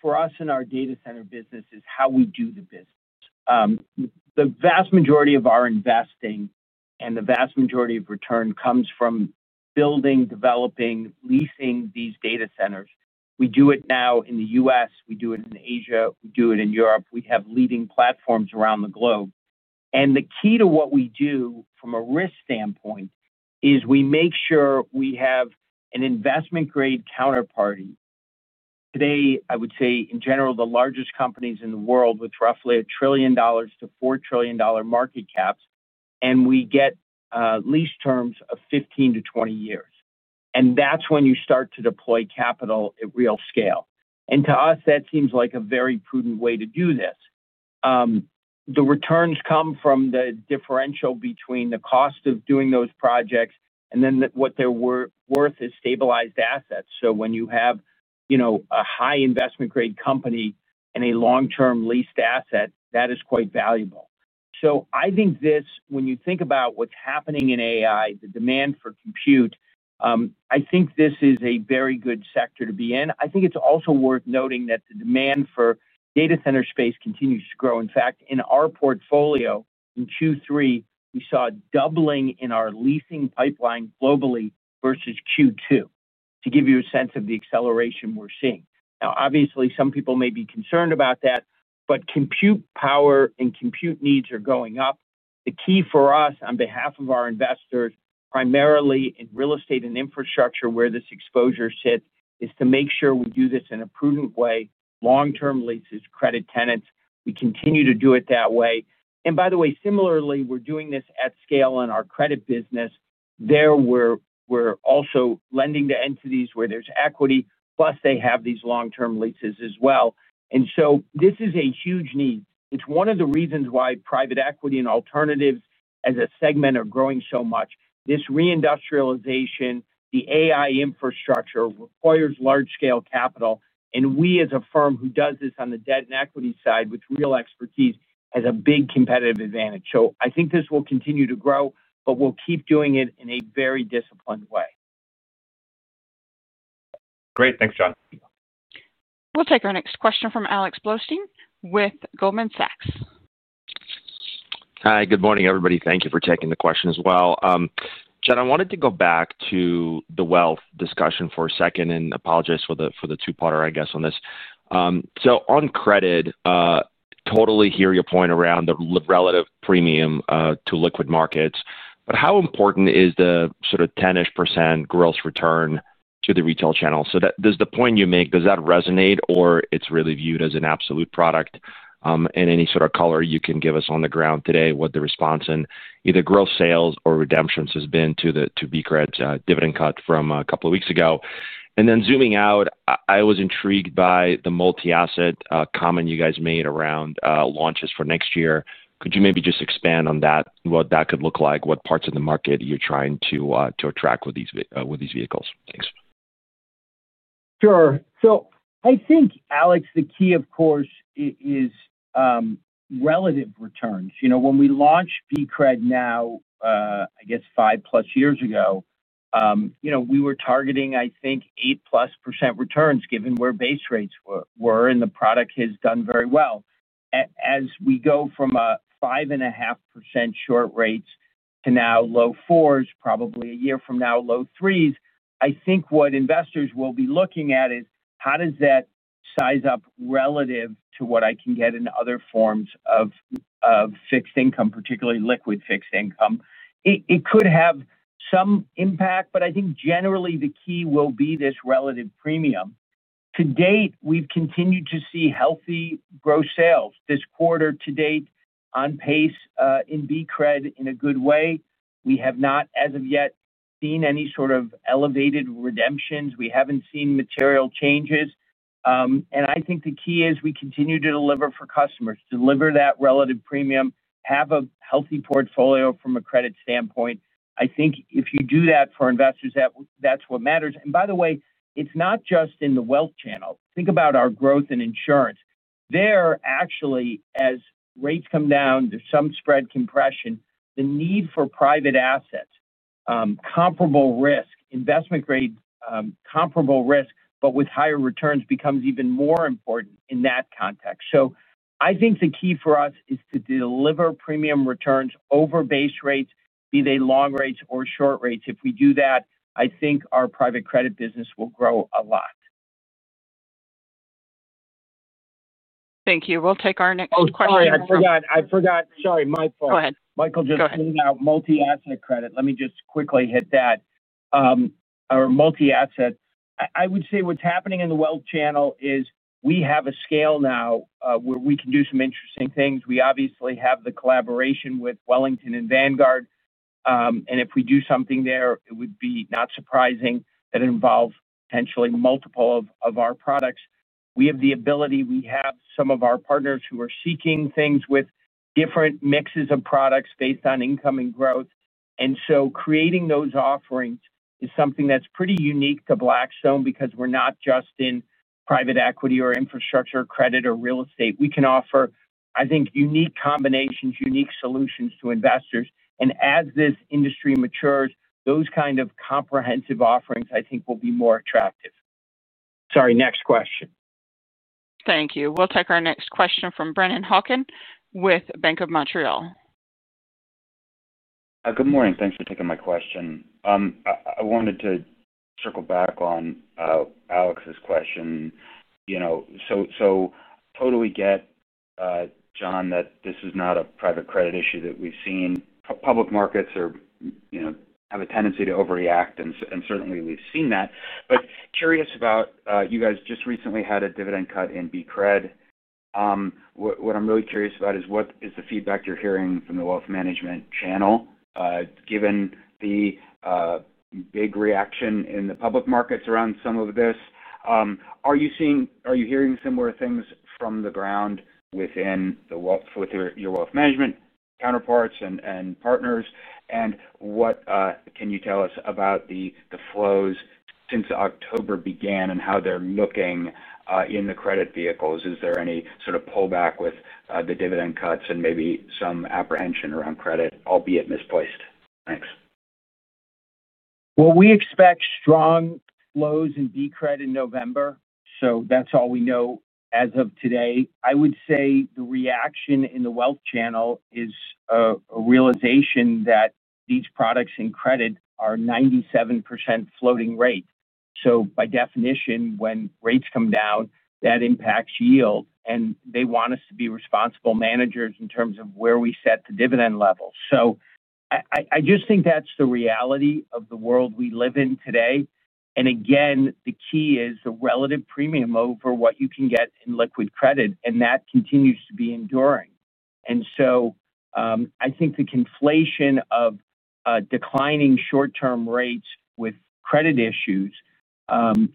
for us in our data center business is how we do the business. The vast majority of our investing and the vast majority of return comes from building, developing, leasing these data centers. We do it now in the U.S. We do it in Asia. We do it in Europe. We have leading platforms around the globe. The key to what we do from a risk standpoint is we make sure we have an investment-grade counterparty. Today, I would say, in general, the largest companies in the world with roughly $1 trillion-$4 trillion market caps, and we get lease terms of 15-20 years. That's when you start to deploy capital at real scale. To us, that seems like a very prudent way to do this. The returns come from the differential between the cost of doing those projects and then what they're worth as stabilized assets. When you have a high investment-grade company and a long-term leased asset, that is quite valuable. I think this, when you think about what's happening in AI, the demand for compute, I think this is a very good sector to be in. It's also worth noting that the demand for data center space continues to grow. In fact, in our portfolio, in Q3, we saw a doubling in our leasing pipeline globally versus Q2 to give you a sense of the acceleration we're seeing. Obviously, some people may be concerned about that, but compute power and compute needs are going up. The key for us, on behalf of our investors, primarily in real estate and infrastructure where this exposure sits, is to make sure we do this in a prudent way, long-term leases, credit tenants. We continue to do it that way. By the way, similarly, we're doing this at scale in our credit business. There, we're also lending to entities where there's equity, plus they have these long-term leases as well. This is a huge need. It's one of the reasons why private equity and alternatives, as a segment, are growing so much. This reindustrialization, the AI infrastructure requires large-scale capital. We, as a firm who does this on the debt and equity side with real expertise, have a big competitive advantage. I think this will continue to grow, but we'll keep doing it in a very disciplined way. Great. Thanks, Jon. We'll take our next question from Alex Blostein with Goldman Sachs. Hi. Good morning, everybody. Thank you for taking the question as well. Jon, I wanted to go back to the wealth discussion for a second and apologize for the two-parter, I guess, on this. On credit, totally hear your point around the relative premium to liquid markets. How important is the sort of 10% gross return to the retail channel? Does the point you make, does that resonate, or it's really viewed as an absolute product? Any sort of color you can give us on the ground today, what the response in either gross sales or redemptions has been to BCRED's dividend cut from a couple of weeks ago? Zooming out, I was intrigued by the multi-asset comment you guys made around launches for next year. Could you maybe just expand on that, what that could look like, what parts of the market you're trying to attract with these vehicles? Thanks. Sure. I think, Alex, the key, of course, is relative returns. You know, when we launched BCRED now, I guess 5+ years ago, we were targeting, I think, 8+% returns given where base rates were and the product has done very well. As we go from a 5.5% short rates to now low fours, probably a year from now low threes, I think what investors will be looking at is how does that size up relative to what I can get in other forms of fixed income, particularly liquid fixed income. It could have some impact, but I think generally the key will be this relative premium. To date, we've continued to see healthy gross sales this quarter. To date, on pace in BCRED in a good way. We have not, as of yet, seen any sort of elevated redemptions. We haven't seen material changes. I think the key is we continue to deliver for customers, deliver that relative premium, have a healthy portfolio from a credit standpoint. I think if you do that for investors, that's what matters. By the way, it's not just in the wealth channel. Think about our growth in insurance. There, actually, as rates come down, there's some spread compression. The need for private assets, comparable risk, investment-grade, comparable risk, but with higher returns, becomes even more important in that context. I think the key for us is to deliver premium returns over base rates, be they long rates or short rates. If we do that, I think our private credit business will grow a lot. Thank you. We'll take our next question. Oh, sorry. I forgot. Sorry, Michael. Go ahead. Michael just pointed out multi-asset credit. Let me just quickly hit that. I would say what's happening in the wealth channel is we have a scale now, where we can do some interesting things. We obviously have the collaboration with Wellington and Vanguard. If we do something there, it would be not surprising that it involves potentially multiple of our products. We have the ability. We have some of our partners who are seeking things with different mixes of products based on income and growth. Creating those offerings is something that's pretty unique to Blackstone because we're not just in private equity or infrastructure, credit, or real estate. We can offer, I think, unique combinations, unique solutions to investors. As this industry matures, those kind of comprehensive offerings, I think, will be more attractive. Sorry, next question. Thank you. We'll take our next question from Brennan Hawken with Bank of Montreal. Good morning. Thanks for taking my question. I wanted to circle back on Alex's question. I totally get, Jon, that this is not a private credit issue that we've seen. Public markets are, you know, have a tendency to overreact, and certainly, we've seen that. I'm curious about, you guys just recently had a dividend cut in BCRED. What I'm really curious about is what is the feedback you're hearing from the wealth management channel, given the big reaction in the public markets around some of this? Are you seeing, are you hearing similar things from the ground within your wealth management counterparts and partners? What can you tell us about the flows since October began and how they're looking in the credit vehicles? Is there any sort of pullback with the dividend cuts and maybe some apprehension around credit, albeit misplaced? Thanks. We expect strong flows in BCRED in November. That's all we know as of today. I would say the reaction in the wealth channel is a realization that these products in credit are 97% floating rate. By definition, when rates come down, that impacts yield. They want us to be responsible managers in terms of where we set the dividend level. I just think that's the reality of the world we live in today. The key is the relative premium over what you can get in liquid credit, and that continues to be enduring. I think the conflation of declining short-term rates with credit issues,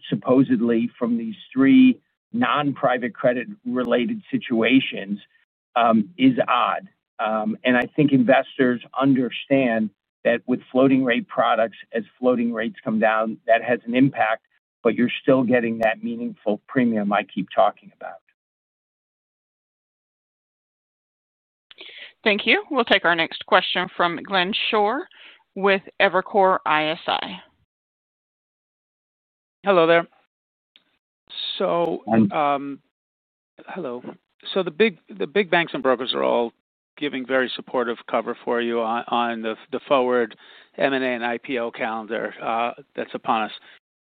supposedly from these three non-private credit-related situations, is odd. I think investors understand that with floating rate products, as floating rates come down, that has an impact, but you're still getting that meaningful premium I keep talking about. Thank you. We'll take our next question from Glenn Schorr with Evercore ISI. Hello there. The big banks and brokers are all giving very supportive cover for you on the forward M&A and IPO calendar that's upon us.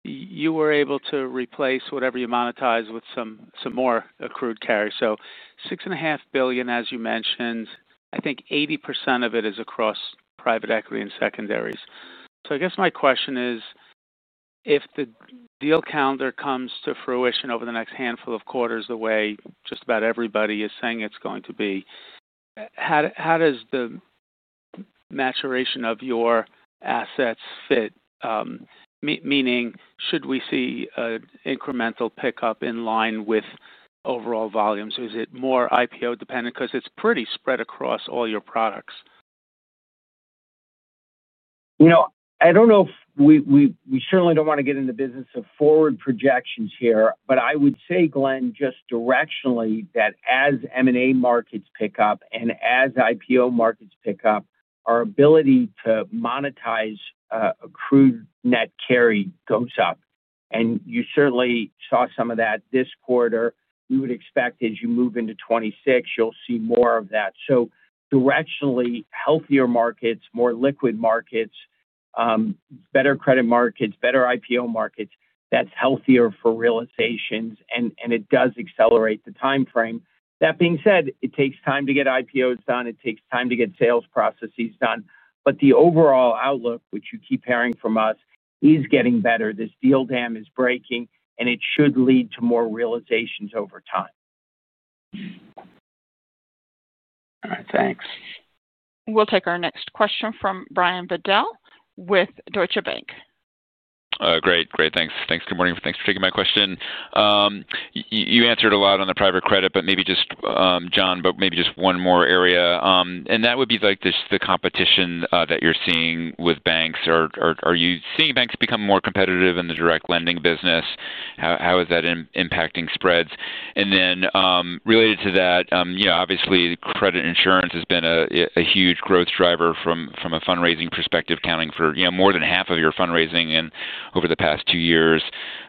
You were able to replace whatever you monetized with some more accrued carry. $6.5 billion, as you mentioned, I think 80% of it is across private equity and secondaries. I guess my question is, if the deal calendar comes to fruition over the next handful of quarters, the way just about everybody is saying it's going to be, how does the maturation of your assets fit? Meaning, should we see an incremental pickup in line with overall volumes? Or is it more IPO-dependent because it's pretty spread across all your products? You know. I don't know if we certainly don't want to get in the business of forward projections here, but I would say, Glenn, just directionally that as M&A markets pick up and as IPO markets pick up, our ability to monetize accrued net carry goes up. You certainly saw some of that this quarter. We would expect as you move into 2026, you'll see more of that. Directionally, healthier markets, more liquid markets, better credit markets, better IPO markets, that's healthier for realizations, and it does accelerate the timeframe. That being said, it takes time to get IPOs done. It takes time to get sales processes done. The overall outlook, which you keep hearing from us, is getting better. This deal dam is breaking, and it should lead to more realizations over time. All right. Thanks. We'll take our next question from Brian Bedell with Deutsche Bank. Great. Thanks. Good morning. Thanks for taking my question. You answered a lot on the private credit, but maybe just, Jon, maybe just one more area. That would be the competition that you're seeing with banks. Are you seeing banks become more competitive in the direct lending business? How is that impacting spreads? Related to that, obviously, credit insurance has been a huge growth driver from a fundraising perspective, accounting for more than half of your fundraising over the past two years.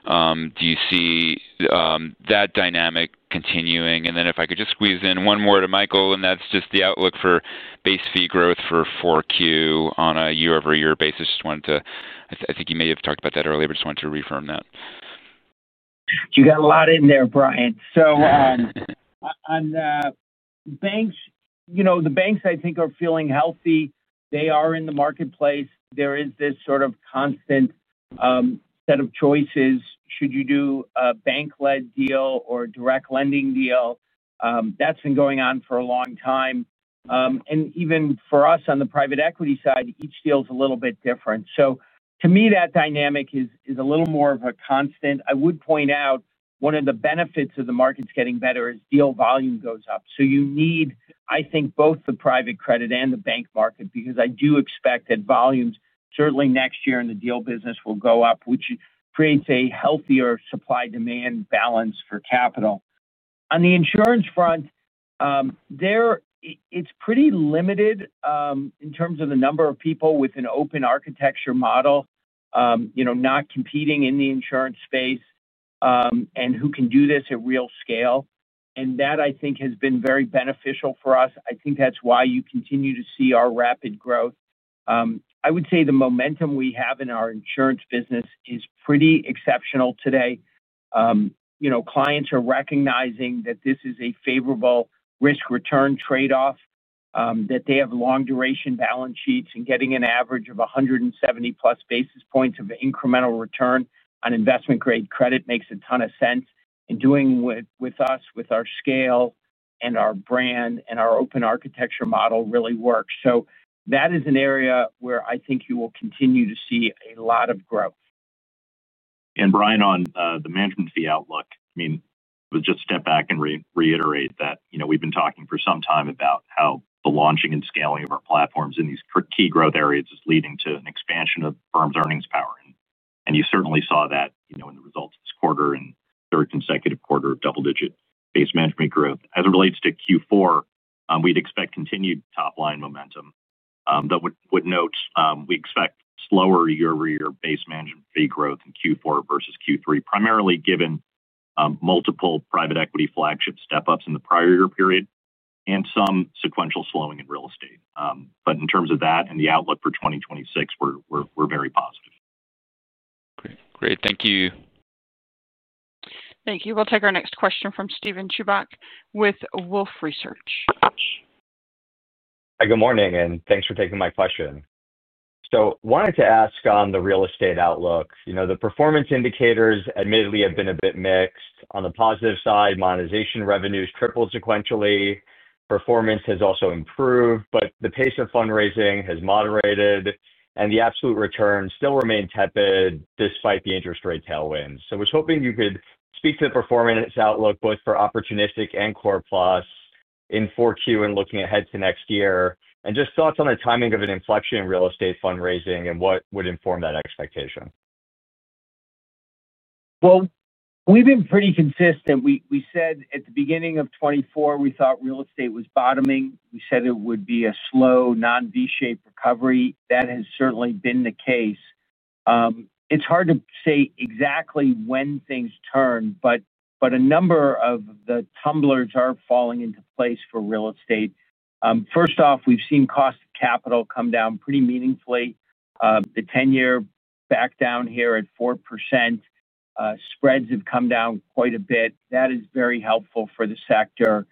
Do you see that dynamic continuing? If I could just squeeze in one more to Michael, that's just the outlook for base fee growth for 4Q on a year-over-year basis. I think you may have talked about that earlier, but just wanted to reaffirm that. You got a lot in there, Brian. On banks, the banks I think are feeling healthy. They are in the marketplace. There is this sort of constant set of choices. Should you do a bank-led deal or a direct lending deal? That's been going on for a long time. Even for us on the private equity side, each deal is a little bit different. To me, that dynamic is a little more of a constant. I would point out one of the benefits of the markets getting better is deal volume goes up. You need, I think, both the private credit and the bank market because I do expect that volumes certainly next year in the deal business will go up, which creates a healthier supply-demand balance for capital. On the insurance front, it's pretty limited in terms of the number of people with an open architecture model, not competing in the insurance space, and who can do this at real scale. That, I think, has been very beneficial for us. I think that's why you continue to see our rapid growth. I would say the momentum we have in our insurance business is pretty exceptional today. Clients are recognizing that this is a favorable risk-return trade-off, that they have long-duration balance sheets, and getting an average of 170+ basis points of incremental return on investment-grade credit makes a ton of sense. Doing it with us, with our scale and our brand and our open architecture model really works. That is an area where I think you will continue to see a lot of growth. Brian, on the management fee outlook, I would just step back and reiterate that we've been talking for some time about how the launching and scaling of our platforms in these key growth areas is leading to an expansion of the firm's earnings power. You certainly saw that in the results of this quarter and third consecutive quarter of double-digit base management growth. As it relates to Q4, we'd expect continued top-line momentum, though I would note we expect slower year-over-year base management fee growth in Q4 versus Q3, primarily given multiple private equity flagship step-ups in the prior year period and some sequential slowing in real estate. In terms of that and the outlook for 2026, we're very positive. Great. Great. Thank you. Thank you. We'll take our next question from Steven Chubak with Wolfe Research. Hi. Good morning, and thanks for taking my question. I wanted to ask on the real estate outlook. The performance indicators admittedly have been a bit mixed. On the positive side, monetization revenues tripled sequentially. Performance has also improved, but the pace of fundraising has moderated, and the absolute returns still remain tepid despite the interest rate tailwinds. I was hoping you could speak to the performance outlook both for opportunistic and core plus in 4Q and looking ahead to next year, and just thoughts on the timing of an inflection in real estate fundraising and what would inform that expectation. We have been pretty consistent. We said. At the beginning of 2024, we thought real estate was bottoming. We said it would be a slow, non-V-shaped recovery. That has certainly been the case. It's hard to say exactly when things turned, but a number of the tumblers are falling into place for real estate. First off, we've seen cost of capital come down pretty meaningfully. The 10-year is back down here at 4%. Spreads have come down quite a bit. That is very helpful for the sector.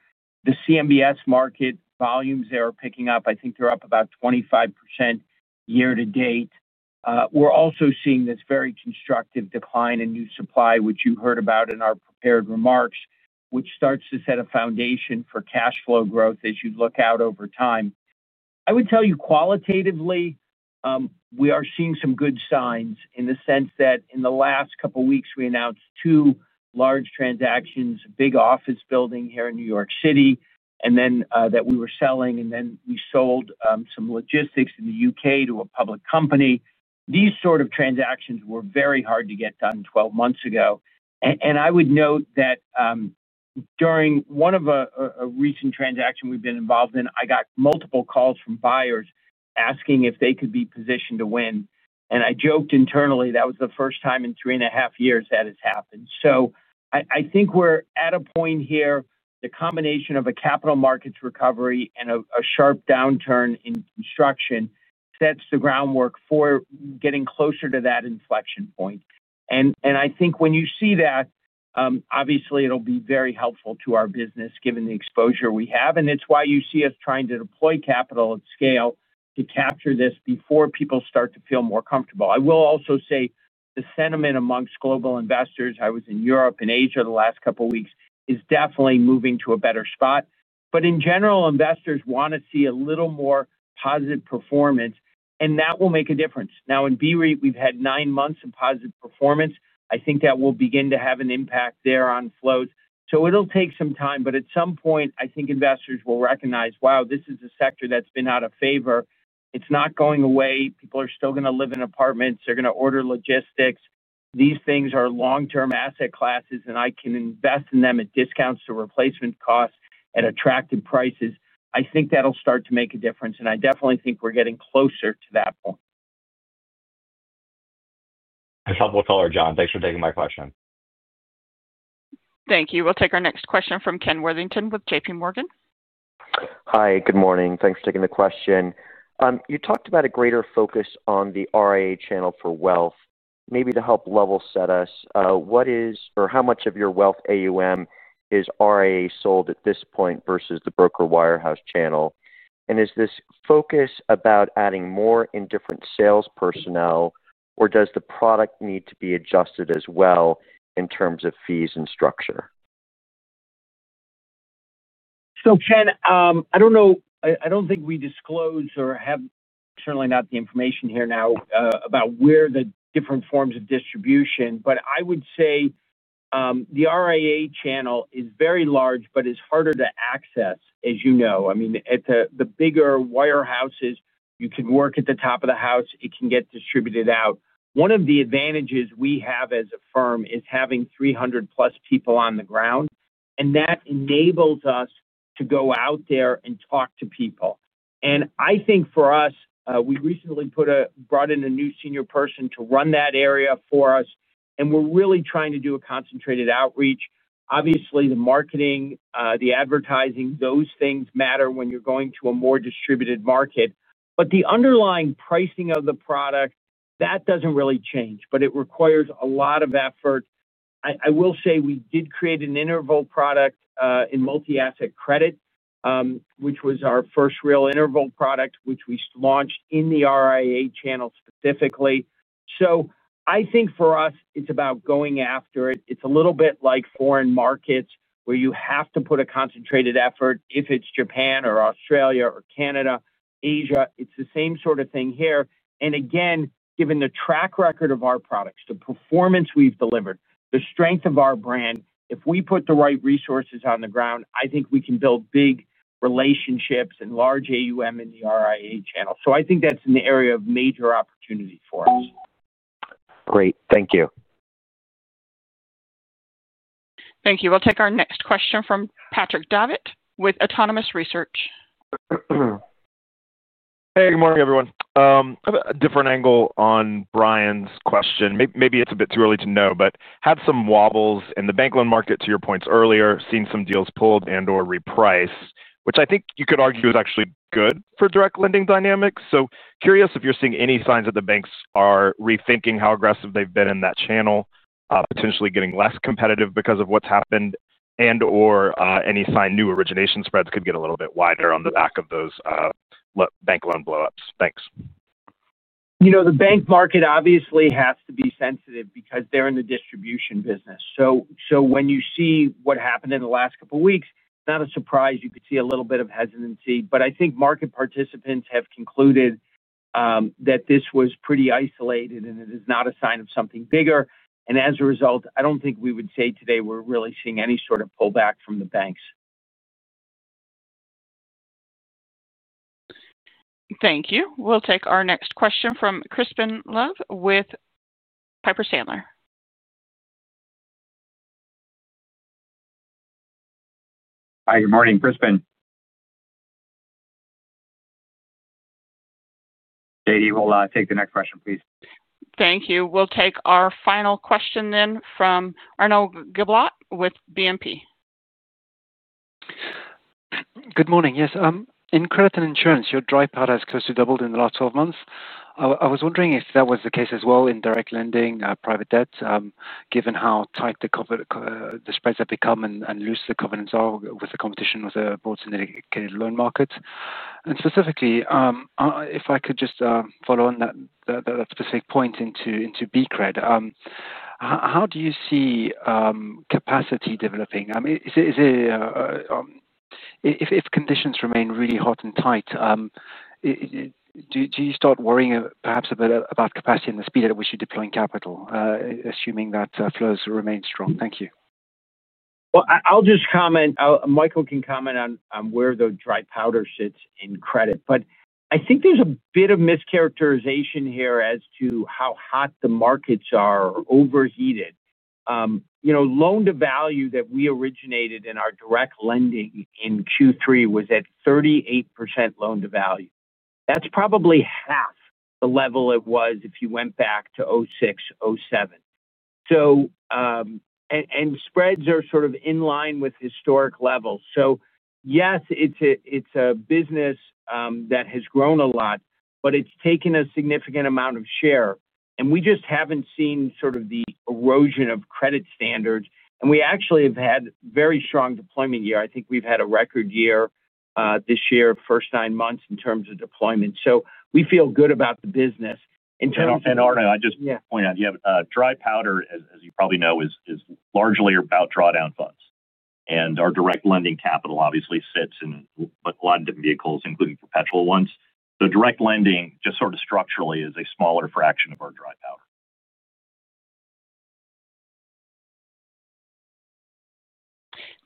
The CMBS market volumes are picking up. I think they're up about 25% year-to-date. We're also seeing this very constructive decline in new supply, which you heard about in our prepared remarks, which starts to set a foundation for cash flow growth as you look out over time. I would tell you, qualitatively, we are seeing some good signs in the sense that in the last couple of weeks, we announced two large transactions, a big office building here in New York City that we were selling, and then we sold some logistics in the U.K. to a public company. These sort of transactions were very hard to get done 12 months ago. I would note that during one of a recent transaction we've been involved in, I got multiple calls from buyers asking if they could be positioned to win. I joked internally, that was the first time in three and a half years that has happened. I think we're at a point here where the combination of a capital markets recovery and a sharp downturn in construction sets the groundwork for getting closer to that inflection point. I think when you see that, obviously, it'll be very helpful to our business given the exposure we have. It's why you see us trying to deploy capital at scale to capture this before people start to feel more comfortable. I will also say the sentiment amongst global investors, I was in Europe and Asia the last couple of weeks, is definitely moving to a better spot. In general, investors want to see a little more positive performance, and that will make a difference. In B-REIT, we've had nine months of positive performance. I think that will begin to have an impact there on flows. It'll take some time, but at some point, I think investors will recognize, wow, this is a sector that's been out of favor. It's not going away. People are still going to live in apartments. They're going to order logistics. These things are long-term asset classes, and I can invest in them at discounts to replacement costs at attractive prices. I think that'll start to make a difference. I definitely think we're getting closer to that point. That's helpful to learn, Jon. Thanks for taking my question. Thank you. We'll take our next question from Ken Worthington with JPMorgan. Hi, good morning. Thanks for taking the question. You talked about a greater focus on the RIA channel for wealth. Maybe to help level set us, what is or how much of your wealth AUM is RIA sold at this point versus the broker wirehouse channel? Is this focus about adding more in different sales personnel, or does the product need to be adjusted as well in terms of fees and structure? Ken, I don't know. I don't think we disclosed or have certainly not the information here now about where the different forms of distribution, but I would say the RIA channel is very large, but it's harder to access, as you know. At the bigger wirehouses, you can work at the top of the house, it can get distributed out. One of the advantages we have as a firm is having 300+ people on the ground. That enables us to go out there and talk to people. I think for us, we recently brought in a new senior person to run that area for us. We're really trying to do a concentrated outreach. Obviously, the marketing, the advertising, those things matter when you're going to a more distributed market. The underlying pricing of the product, that doesn't really change, but it requires a lot of effort. I will say we did create an interval product in multi-asset credit, which was our first real interval product, which we launched in the RIA channel specifically. I think for us, it's about going after it. It's a little bit like foreign markets where you have to put a concentrated effort if it's Japan or Australia or Canada, Asia. It's the same sort of thing here. Again, given the track record of our products, the performance we've delivered, the strength of our brand, if we put the right resources on the ground, I think we can build big relationships and large AUM in the RIA channel. I think that's an area of major opportunity for us. Great, thank you. Thank you. We'll take our next question from Patrick Davitt with Autonomous Research. Hey, good morning, everyone. A different angle on Brian's question. Maybe it's a bit too early to know, but had some wobbles in the bank loan market to your points earlier, seen some deals pulled and/or repriced, which I think you could argue is actually good for direct lending dynamics. Curious if you're seeing any signs that the banks are rethinking how aggressive they've been in that channel, potentially getting less competitive because of what's happened, and/or any sign new origination spreads could get a little bit wider on the back of those bank loan blowups. Thanks. You know, the bank market obviously has to be sensitive because they're in the distribution business. When you see what happened in the last couple of weeks, it's not a surprise you could see a little bit of hesitancy. I think market participants have concluded that this was pretty isolated and it is not a sign of something bigger. As a result, I don't think we would say today we're really seeing any sort of pullback from the banks. Thank you. We'll take our next question from Crispin Love with Piper Sandler. Hi, good morning, Crispin. JD, we'll take the next question, please. Thank you. We'll take our final question from Arnaud Giblat with BNP. Good morning. Yes, in credit and insurance, your dry powder has close to doubled in the last 12 months. I was wondering if that was the case as well in direct lending, private debt, given how tight the spreads have become and how loose the covenants are with the competition of the boards in the dedicated loan markets. Specifically, if I could just follow on that specific point into B cred, how do you see capacity developing? If conditions remain really hot and tight, do you start worrying perhaps a bit about capacity and the speed at which you're deploying capital, assuming that flows remain strong? Thank you. I’ll just comment. Michael can comment on where the dry powder sits in credit. I think there's a bit of mischaracterization here as to how hot the markets are or overheated. You know, loan to value that we originated in our direct lending in Q3 was at 38% loan to value. That's probably half the level it was if you went back to 2006, 2007. Spreads are sort of in line with historic levels. Yes, it's a business that has grown a lot, but it's taken a significant amount of share. We just haven't seen sort of the erosion of credit standards. We actually have had a very strong deployment year. I think we've had a record year this year, first nine months in terms of deployment. We feel good about the business. Arnaud, I just want to add, you have dry powder, as you probably know, is largely about drawdown funds. Our direct lending capital obviously sits in a lot of different vehicles, including perpetual ones. Direct lending just sort of structurally is a smaller fraction of our dry powder.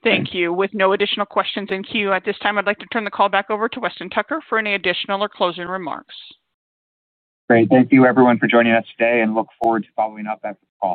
Thank you. With no additional questions in queue at this time, I'd like to turn the call back over to Weston Tucker for any additional or closing remarks. Great. Thank you, everyone, for joining us today and look forward to following up after the call.